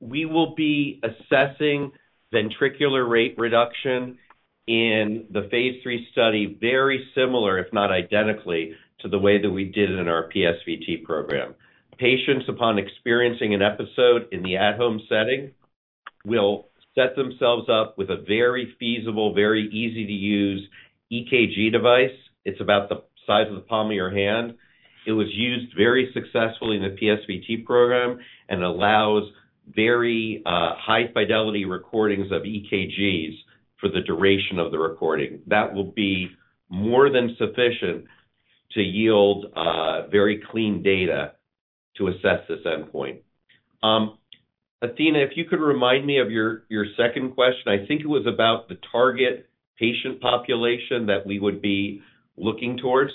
We will be assessing ventricular rate reduction in the phase III study, very similar, if not identically, to the way that we did it in our PSVT program. Patients, upon experiencing an episode in the at-home setting, will set themselves up with a very feasible, very easy-to-use EKG device. It's about the size of the palm of your hand. It was used very successfully in the PSVT program and allows very high-fidelity recordings of EKGs for the duration of the recording. That will be more than sufficient to yield very clean data to assess this endpoint. Athena, if you could remind me of your second question. I think it was about the target patient population that we would be looking towards.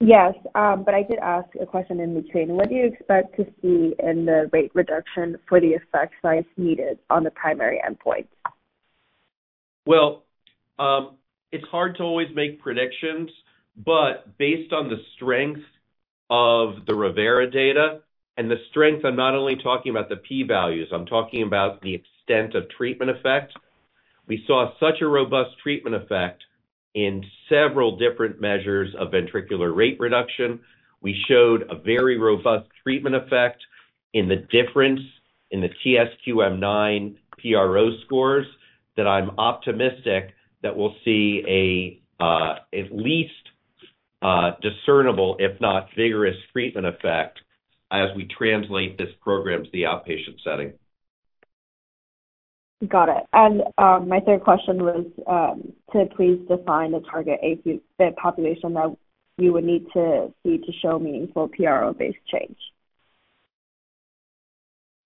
Yes, but I did ask a question in between. What do you expect to see in the rate reduction for the effect size needed on the primary endpoint? Well, it's hard to always make predictions, but based on the strength of the ReVeRA data and the strength... I'm not only talking about the P values, I'm talking about the extent of treatment effect. We saw such a robust treatment effect in several different measures of ventricular rate reduction. We showed a very robust treatment effect in the difference in the TSQM-9 PRO scores. That I'm optimistic that we'll see a, at least, discernible, if not vigorous, treatment effect as we translate this program to the outpatient setting. Got it. And, my third question was, to please define the target AFib population that you would need to see to show meaningful PRO-based change.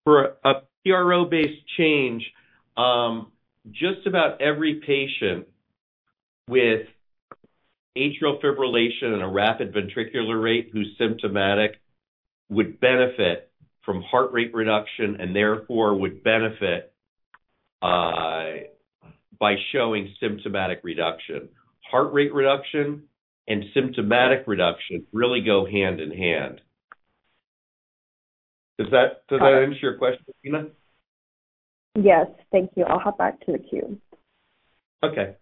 For a PRO-based change, just about every patient with atrial fibrillation and a rapid ventricular rate who's symptomatic would benefit from heart rate reduction and therefore would benefit by showing symptomatic reduction. Heart rate reduction and symptomatic reduction really go hand in hand. Does that, does that answer your question, Athena? Yes. Thank you. I'll hop back to the queue. Okay.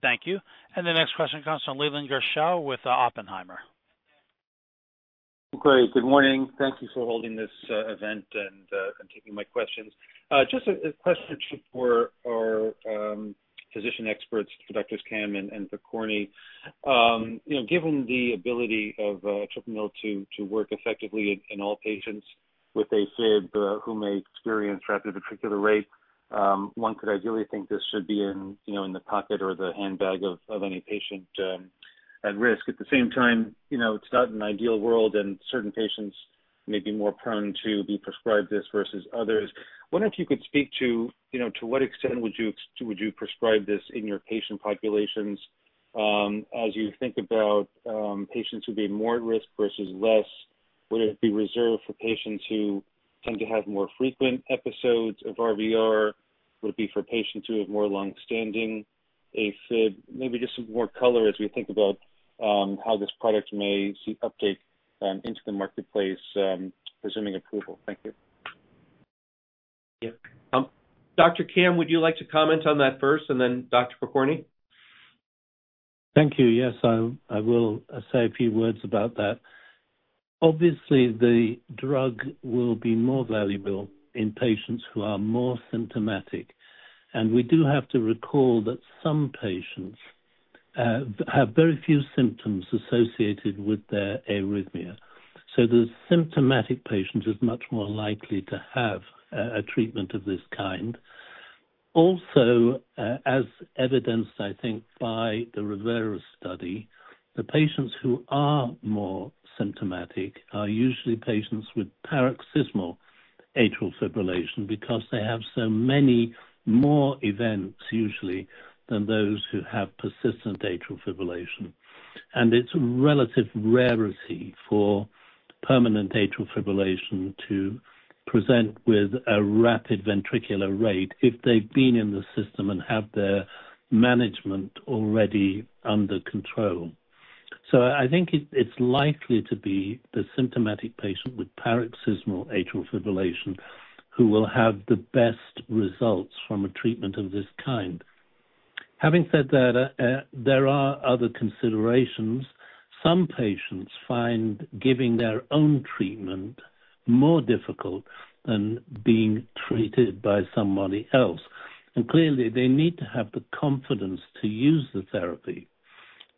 Thank you. The next question comes from Leland Gershell with Oppenheimer. Great. Good morning. Thank you for holding this event and taking my questions. Just a question for our physician experts, Doctors Camm and Pokorney. You know, given the ability of etripamil to work effectively in all patients with AFib who may experience rapid ventricular rate, one could ideally think this should be in, you know, in the pocket or the handbag of any patient at risk. At the same time, you know, it's not an ideal world, and certain patients may be more prone to be prescribed this versus others. Wonder if you could speak to, you know, to what extent would you prescribe this in your patient populations, as you think about patients who would be more at risk versus less? Would it be reserved for patients who tend to have more frequent episodes of RVR? Would it be for patients who have more long-standing AFib? Maybe just some more color as we think about how this product may see uptake into the marketplace, presuming approval. Thank you. Yeah. Dr. Camm, would you like to comment on that first, and then Dr. Pokorney? Thank you. Yes, I will say a few words about that. Obviously, the drug will be more valuable in patients who are more symptomatic, and we do have to recall that some patients have very few symptoms associated with their arrhythmia, so the symptomatic patient is much more likely to have a treatment of this kind. Also, as evidenced, I think, by the ReVeRA study, the patients who are more symptomatic are usually patients with paroxysmal atrial fibrillation because they have so many more events usually than those who have persistent atrial fibrillation. And it's a relative rarity for permanent atrial fibrillation to present with a rapid ventricular rate if they've been in the system and have their management already under control. So I think it's likely to be the symptomatic patient with paroxysmal atrial fibrillation who will have the best results from a treatment of this kind. Having said that, there are other considerations. Some patients find giving their own treatment more difficult than being treated by somebody else, and clearly, they need to have the confidence to use the therapy.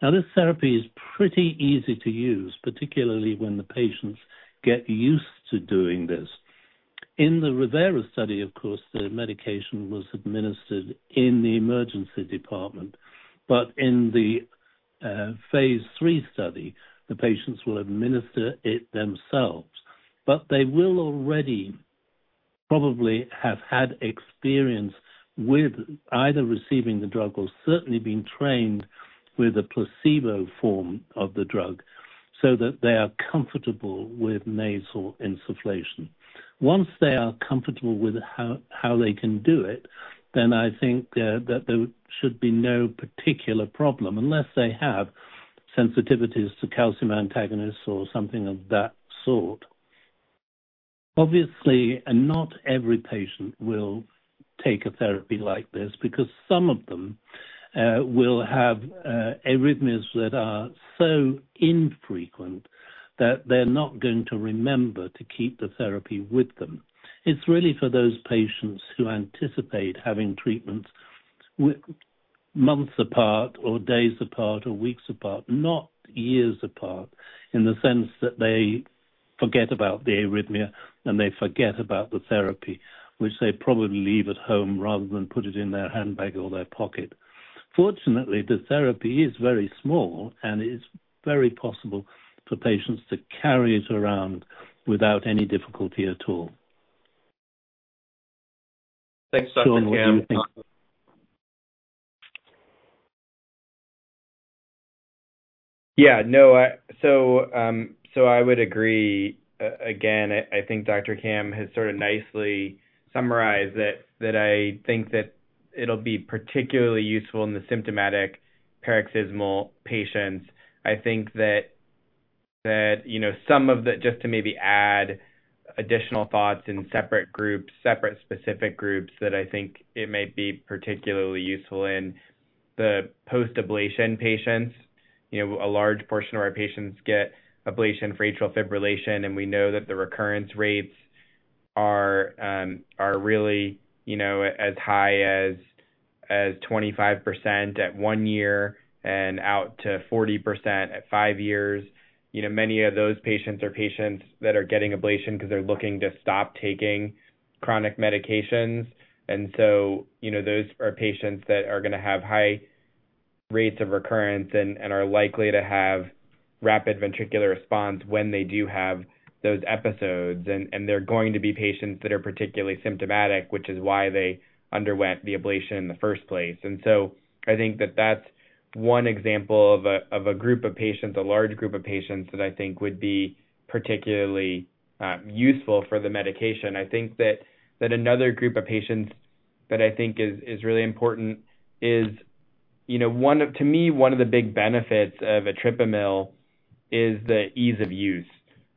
Now, this therapy is pretty easy to use, particularly when the patients get used to doing this. In the ReVeRA study, of course, the medication was administered in the emergency department, but in the phase III study, the patients will administer it themselves. But they will already probably have had experience with either receiving the drug or certainly been trained with a placebo form of the drug so that they are comfortable with nasal insufflation. Once they are comfortable with how they can do it, then I think that there should be no particular problem, unless they have sensitivities to calcium antagonists or something of that sort. Obviously, not every patient will take a therapy like this because some of them will have arrhythmias that are so infrequent that they're not going to remember to keep the therapy with them. It's really for those patients who anticipate having treatments months apart or days apart or weeks apart, not years apart, in the sense that they forget about the arrhythmia, and they forget about the therapy, which they probably leave at home rather than put it in their handbag or their pocket. Fortunately, the therapy is very small, and it's very possible for patients to carry it around without any difficulty at all. Thanks, Dr. Camm. Sean, what do you think? Yeah. No, so I would agree. Again, I think Dr. Camm has sort of nicely summarized that, that I think that it'll be particularly useful in the symptomatic paroxysmal patients. I think that, you know, some of the. Just to maybe add additional thoughts in separate groups, separate specific groups, that I think it may be particularly useful in the post-ablation patients. You know, a large portion of our patients get ablation for atrial fibrillation, and we know that the recurrence rates are really, you know, as high as 25% at one year and out to 40% at five years. You know, many of those patients are patients that are getting ablation because they're looking to stop taking chronic medications. And so, you know, those are patients that are gonna have high rates of recurrence and are likely to have rapid ventricular response when they do have those episodes. And they're going to be patients that are particularly symptomatic, which is why they underwent the ablation in the first place. And so I think that that's one example of a group of patients, a large group of patients, that I think would be particularly useful for the medication. I think that another group of patients that I think is really important is, you know, to me, one of the big benefits of etripamil is the ease of use.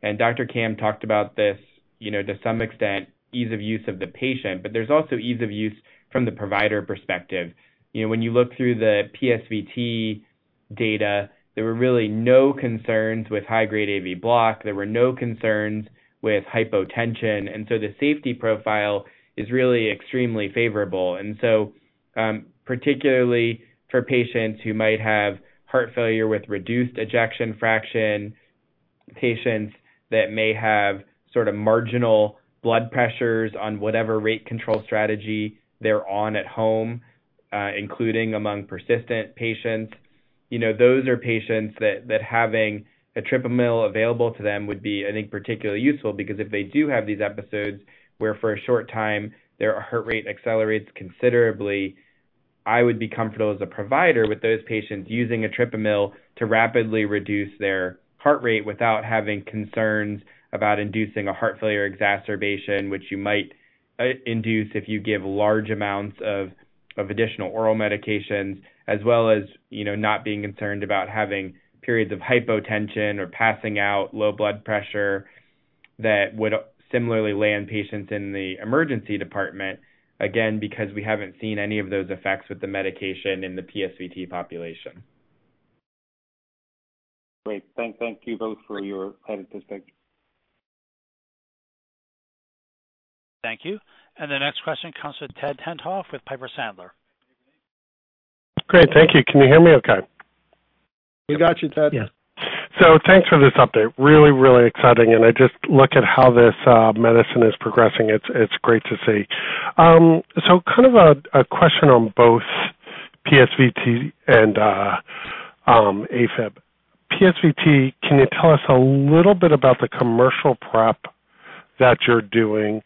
And Dr. Camm talked about this, you know, to some extent, ease of use of the patient, but there's also ease of use from the provider perspective. You know, when you look through the PSVT data, there were really no concerns with high-grade AV block. There were no concerns with hypotension, and so the safety profile is really extremely favorable. And so, particularly for patients who might have heart failure with reduced ejection fraction, patients that may have sort of marginal blood pressures on whatever rate control strategy they're on at home, including among persistent patients. You know, those are patients that having etripamil available to them would be, I think, particularly useful, because if they do have these episodes where for a short time their heart rate accelerates considerably, I would be comfortable as a provider with those patients using etripamil to rapidly reduce their heart rate without having concerns about inducing a heart failure exacerbation, which you might induce if you give large amounts of additional oral medications, as well as, you know, not being concerned about having periods of hypotension or passing out, low blood pressure, that would similarly land patients in the emergency department. Again, because we haven't seen any of those effects with the medication in the PSVT population. Great. Thank you both for your perspective. Thank you. The next question comes with Ted Tenthoff with Piper Sandler. Great, thank you. Can you hear me okay? We got you, Ted. Yeah. So thanks for this update. Really, really exciting, and I just look at how this medicine is progressing. It's, it's great to see. So kind of a question on both PSVT and AFib. PSVT, can you tell us a little bit about the commercial prep that you're doing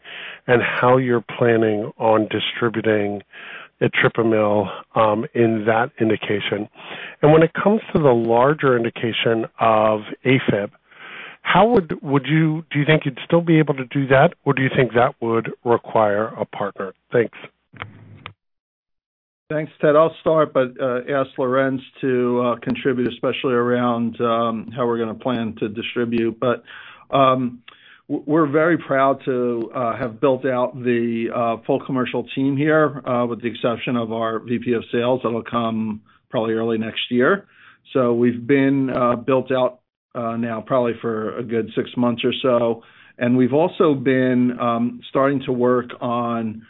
and how you're planning on distributing etripamil in that indication? And when it comes to the larger indication of AFib, how would you-- do you think you'd still be able to do that, or do you think that would require a partner? Thanks. Thanks, Ted. I'll start by asking Lorenz to contribute, especially around how we're gonna plan to distribute. But we're very proud to have built out the full commercial team here, with the exception of our VP of sales, that'll come probably early next year. So we've been built out now probably for a good six months or so, and we've also been starting to work on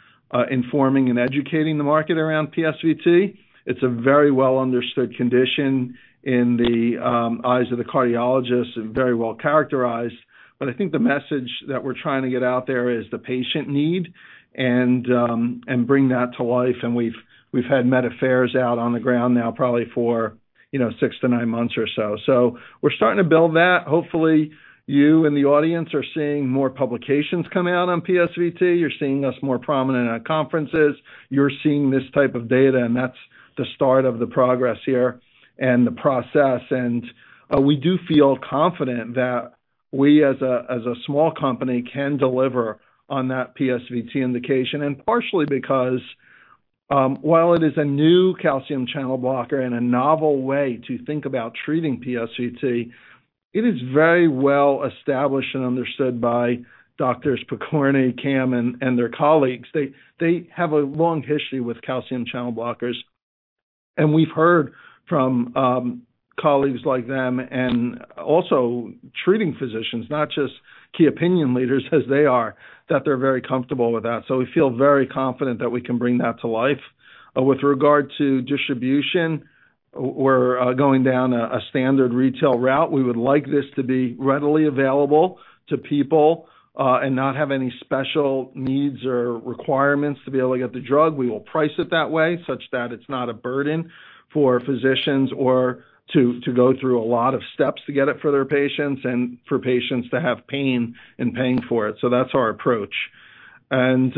informing and educating the market around PSVT. It's a very well-understood condition in the eyes of the cardiologists and very well characterized. But I think the message that we're trying to get out there is the patient need and bring that to life. And we've had Medical Affairs out on the ground now, probably for, you know, six to nine months or so. So we're starting to build that. Hopefully, you and the audience are seeing more publications come out on PSVT. You're seeing us more prominent at conferences. You're seeing this type of data, and that's the start of the progress here and the process. And we do feel confident that we, as a, as a small company, can deliver on that PSVT indication. And partially because, while it is a new calcium channel blocker and a novel way to think about treating PSVT, it is very well established and understood by Doctors Pokorney, Camm, and their colleagues. They, they have a long history with calcium channel blockers, and we've heard from, colleagues like them and also treating physicians, not just key opinion leaders as they are, that they're very comfortable with that. So we feel very confident that we can bring that to life. With regard to distribution, we're going down a standard retail route. We would like this to be readily available to people and not have any special needs or requirements to be able to get the drug. We will price it that way, such that it's not a burden for physicians or to go through a lot of steps to get it for their patients and for patients to have pain in paying for it. So that's our approach. And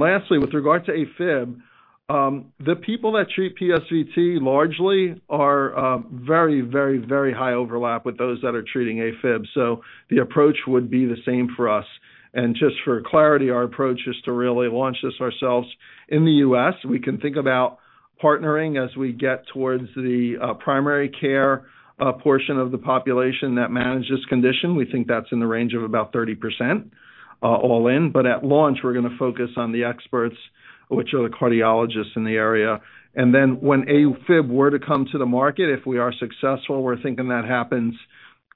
lastly, with regard to AFib, the people that treat PSVT largely are very, very, very high overlap with those that are treating AFib, so the approach would be the same for us. And just for clarity, our approach is to really launch this ourselves in the U.S. We can think about partnering as we get towards the primary care portion of the population that manages condition. We think that's in the range of about 30%, all in. But at launch, we're gonna focus on the experts, which are the cardiologists in the area. And then when AFib were to come to the market, if we are successful, we're thinking that happens,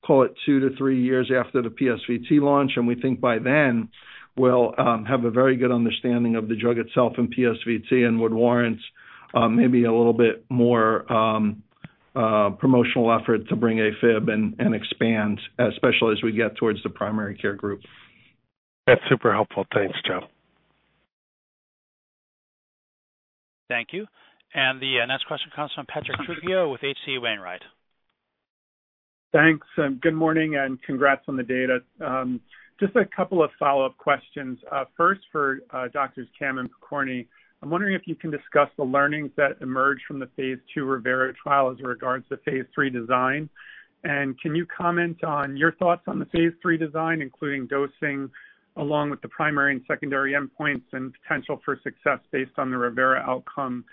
call it two to three years after the PSVT launch, and we think by then, we'll have a very good understanding of the drug itself in PSVT and would warrant maybe a little bit more promotional effort to bring AFib and expand, especially as we get towards the primary care group. That's super helpful. Thanks, Joe. Thank you. The next question comes from Patrick Trucchio with H.C. Wainwright. Thanks, and good morning, and congrats on the data. Just a couple of follow-up questions. First, for Drs. Camm and Pokorney, I'm wondering if you can discuss the learnings that emerged from the phase II ReVeRA trial as regards to phase III design. And can you comment on your thoughts on the phase III design, including dosing, along with the primary and secondary endpoints and potential for success based on the ReVeRA outcome?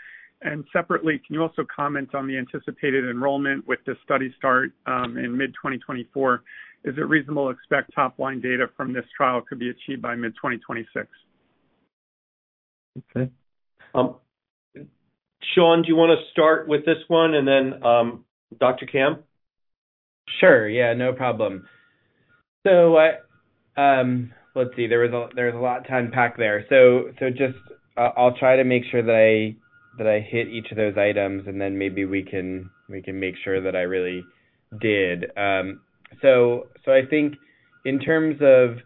And separately, can you also comment on the anticipated enrollment with the study start in mid-2024? Is it reasonable to expect top line data from this trial could be achieved by mid-2026? Okay. Sean, do you wanna start with this one, and then, Dr. Camm? Sure. Yeah, no problem. So, let's see. There's a lot to unpack there. So, just I'll try to make sure that I hit each of those items, and then maybe we can make sure that I really did. So, I think in terms of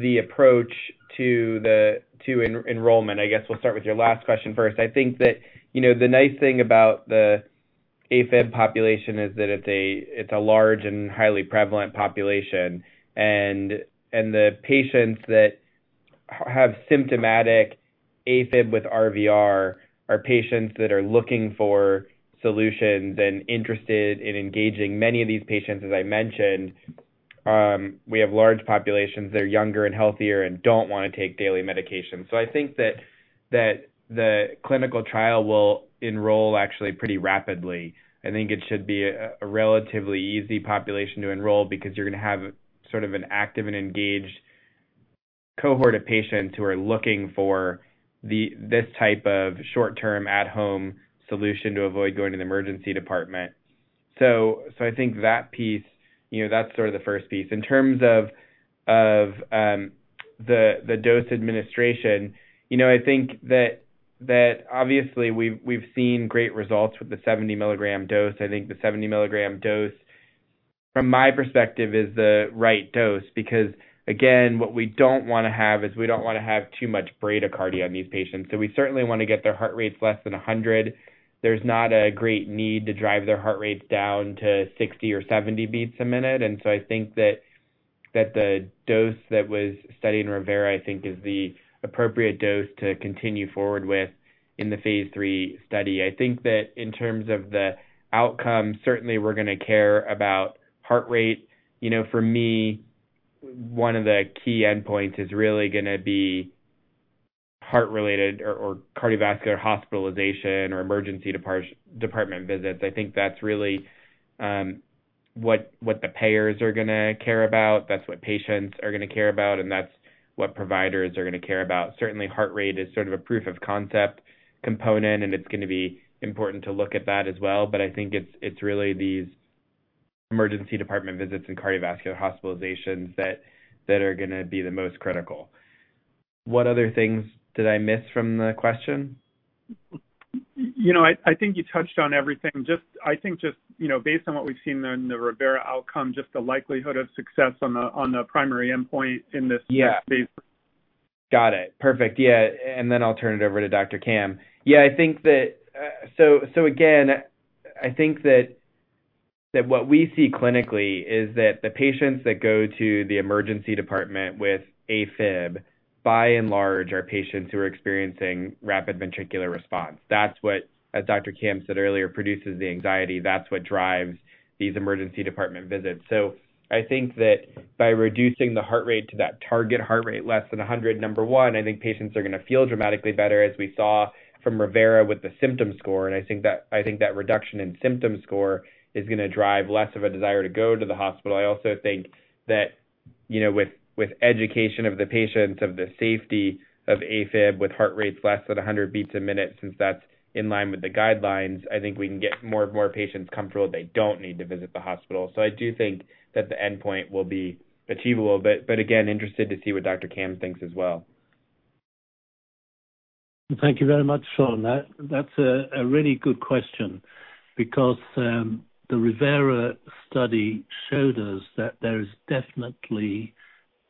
the approach to the enrollment, I guess we'll start with your last question first. I think that, you know, the nice thing about the AFib population is that it's a large and highly prevalent population, and the patients that have symptomatic AFib with RVR are patients that are looking for solutions and interested in engaging. Many of these patients, as I mentioned, we have large populations that are younger and healthier and don't wanna take daily medications. So I think that the clinical trial will enroll actually pretty rapidly. I think it should be a relatively easy population to enroll because you're gonna have sort of an active and engaged cohort of patients who are looking for this type of short-term, at-home solution to avoid going to the emergency department. So I think that piece, you know, that's sort of the first piece. In terms of the dose administration, you know, I think that obviously we've seen great results with the 70 milligram dose. I think the 70 milligram dose, from my perspective, is the right dose because, again, what we don't wanna have is we don't wanna have too much bradycardia in these patients. So we certainly wanna get their heart rates less than 100. There's not a great need to drive their heart rates down to 60 or 70 beats a minute. And so I think that the dose that was studied in ReVeRA, I think, is the appropriate dose to continue forward with in the phase III study. I think that in terms of the outcome, certainly we're gonna care about heart rate. You know, for me, one of the key endpoints is really gonna be heart-related or cardiovascular hospitalization or emergency department visits. I think that's really what the payers are gonna care about, that's what patients are gonna care about, and that's what providers are gonna care about. Certainly, heart rate is sort of a proof of concept component, and it's gonna be important to look at that as well. But I think it's really these emergency department visits and cardiovascular hospitalizations that are gonna be the most critical. What other things did I miss from the question? You know, I think you touched on everything. Just, you know, based on what we've seen in the ReVeRA outcome, just the likelihood of success on the primary endpoint in this space. Got it. Perfect. Yeah, and then I'll turn it over to Dr. Camm. Yeah, I think that what we see clinically is that the patients that go to the emergency department with AFib, by and large, are patients who are experiencing rapid ventricular response. That's what, as Dr. Camm said earlier, produces the anxiety, that's what drives these emergency department visits. So I think that by reducing the heart rate to that target heart rate, less than 100, number one, I think patients are gonna feel dramatically better, as we saw from ReVeRA with the symptom score. And I think that reduction in symptom score is gonna drive less of a desire to go to the hospital. I also think that, you know, with education of the patients, of the safety of AFib, with heart rates less than 100 beats a minute, since that's in line with the guidelines, I think we can get more and more patients comfortable that they don't need to visit the hospital. So I do think that the endpoint will be achievable, but again, interested to see what Dr. Camm thinks as well. Thank you very much, Sean. That's a really good question because the ReVeRA study showed us that there is definitely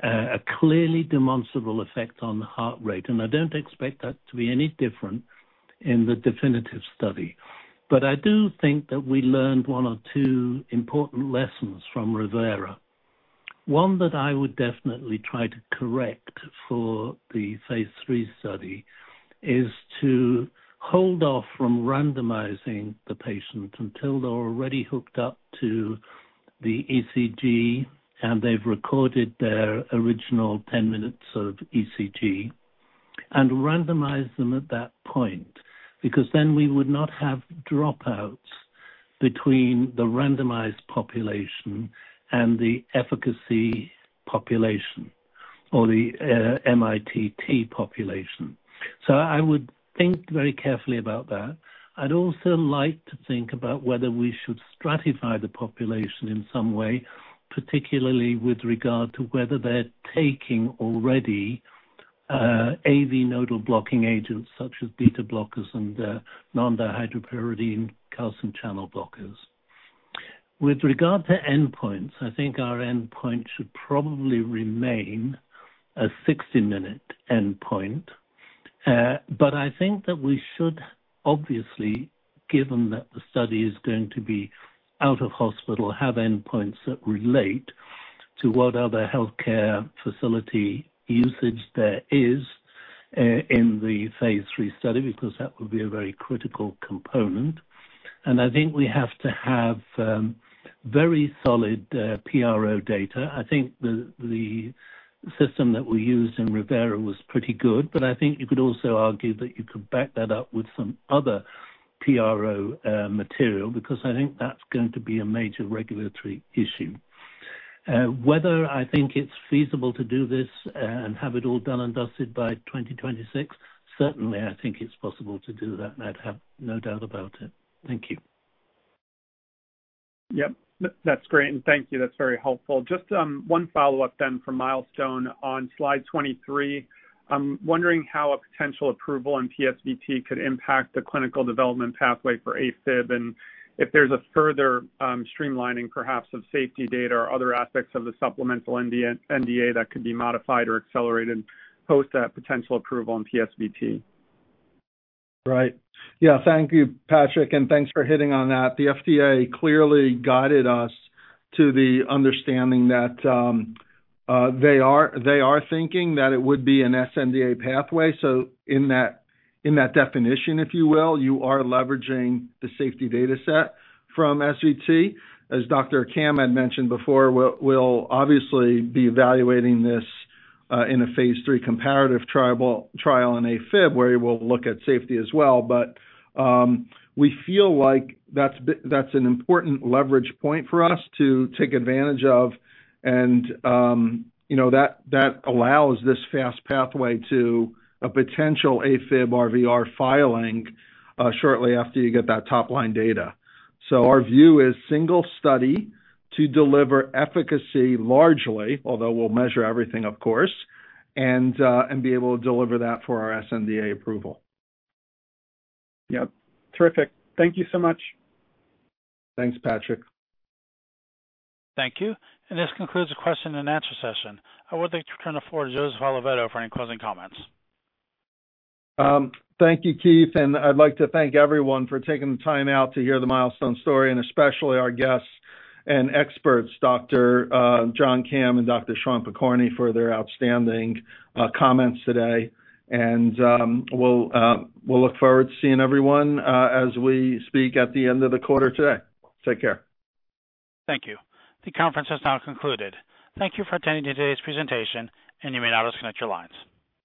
a clearly demonstrable effect on the heart rate, and I don't expect that to be any different in the definitive study. But I do think that we learned one or two important lessons from ReVeRA. One that I would definitely try to correct for the phase III study is to hold off from randomizing the patient until they're already hooked up to the ECG and they've recorded their original 10 minutes of ECG, and randomize them at that point. Because then we would not have dropouts between the randomized population and the efficacy population or the mITT population. So I would think very carefully about that. I'd also like to think about whether we should stratify the population in some way, particularly with regard to whether they're taking already, AV nodal blocking agents, such as beta blockers and, non-dihydropyridine calcium channel blockers. With regard to endpoints, I think our endpoint should probably remain a 60-minute endpoint. But I think that we should obviously, given that the study is going to be out of hospital, have endpoints that relate to what other healthcare facility usage there is, in the phase III study, because that would be a very critical component. And I think we have to have, very solid, PRO data. I think the system that we used in ReVeRA was pretty good, but I think you could also argue that you could back that up with some other PRO material, because I think that's going to be a major regulatory issue. Whether I think it's feasible to do this and have it all done and dusted by 2026, certainly I think it's possible to do that. I'd have no doubt about it. Thank you. Yep, that's great, and thank you. That's very helpful. Just, one follow-up then for Milestone on slide 23. I'm wondering how a potential approval in PSVT could impact the clinical development pathway for AFib, and if there's a further, streamlining, perhaps, of safety data or other aspects of the supplemental NDA, NDA that could be modified or accelerated post that potential approval on PSVT. Right. Yeah. Thank you, Patrick, and thanks for hitting on that. The FDA clearly guided us to the understanding that they are thinking that it would be an sNDA pathway. So in that definition, if you will, you are leveraging the safety data set from SVT. As Dr. Camm had mentioned before, we'll obviously be evaluating this in a phase III comparative trial in AFib, where we'll look at safety as well. But we feel like that's an important leverage point for us to take advantage of. And you know, that allows this fast pathway to a potential AFib-RVR filing shortly after you get that top-line data. So our view is single study to deliver efficacy largely, although we'll measure everything, of course, and be able to deliver that for our sNDA approval. Yep. Terrific. Thank you so much. Thanks, Patrick. Thank you. This concludes the question and answer session. I would like to turn it over to Joseph Oliveto for any closing comments. Thank you, Keith, and I'd like to thank everyone for taking the time out to hear the Milestone story, and especially our guests and experts, Dr. John Camm and Dr. Sean Pokorney, for their outstanding comments today. And we'll look forward to seeing everyone as we speak at the end of the quarter today. Take care. Thank you. The conference has now concluded. Thank you for attending today's presentation, and you may now disconnect your lines.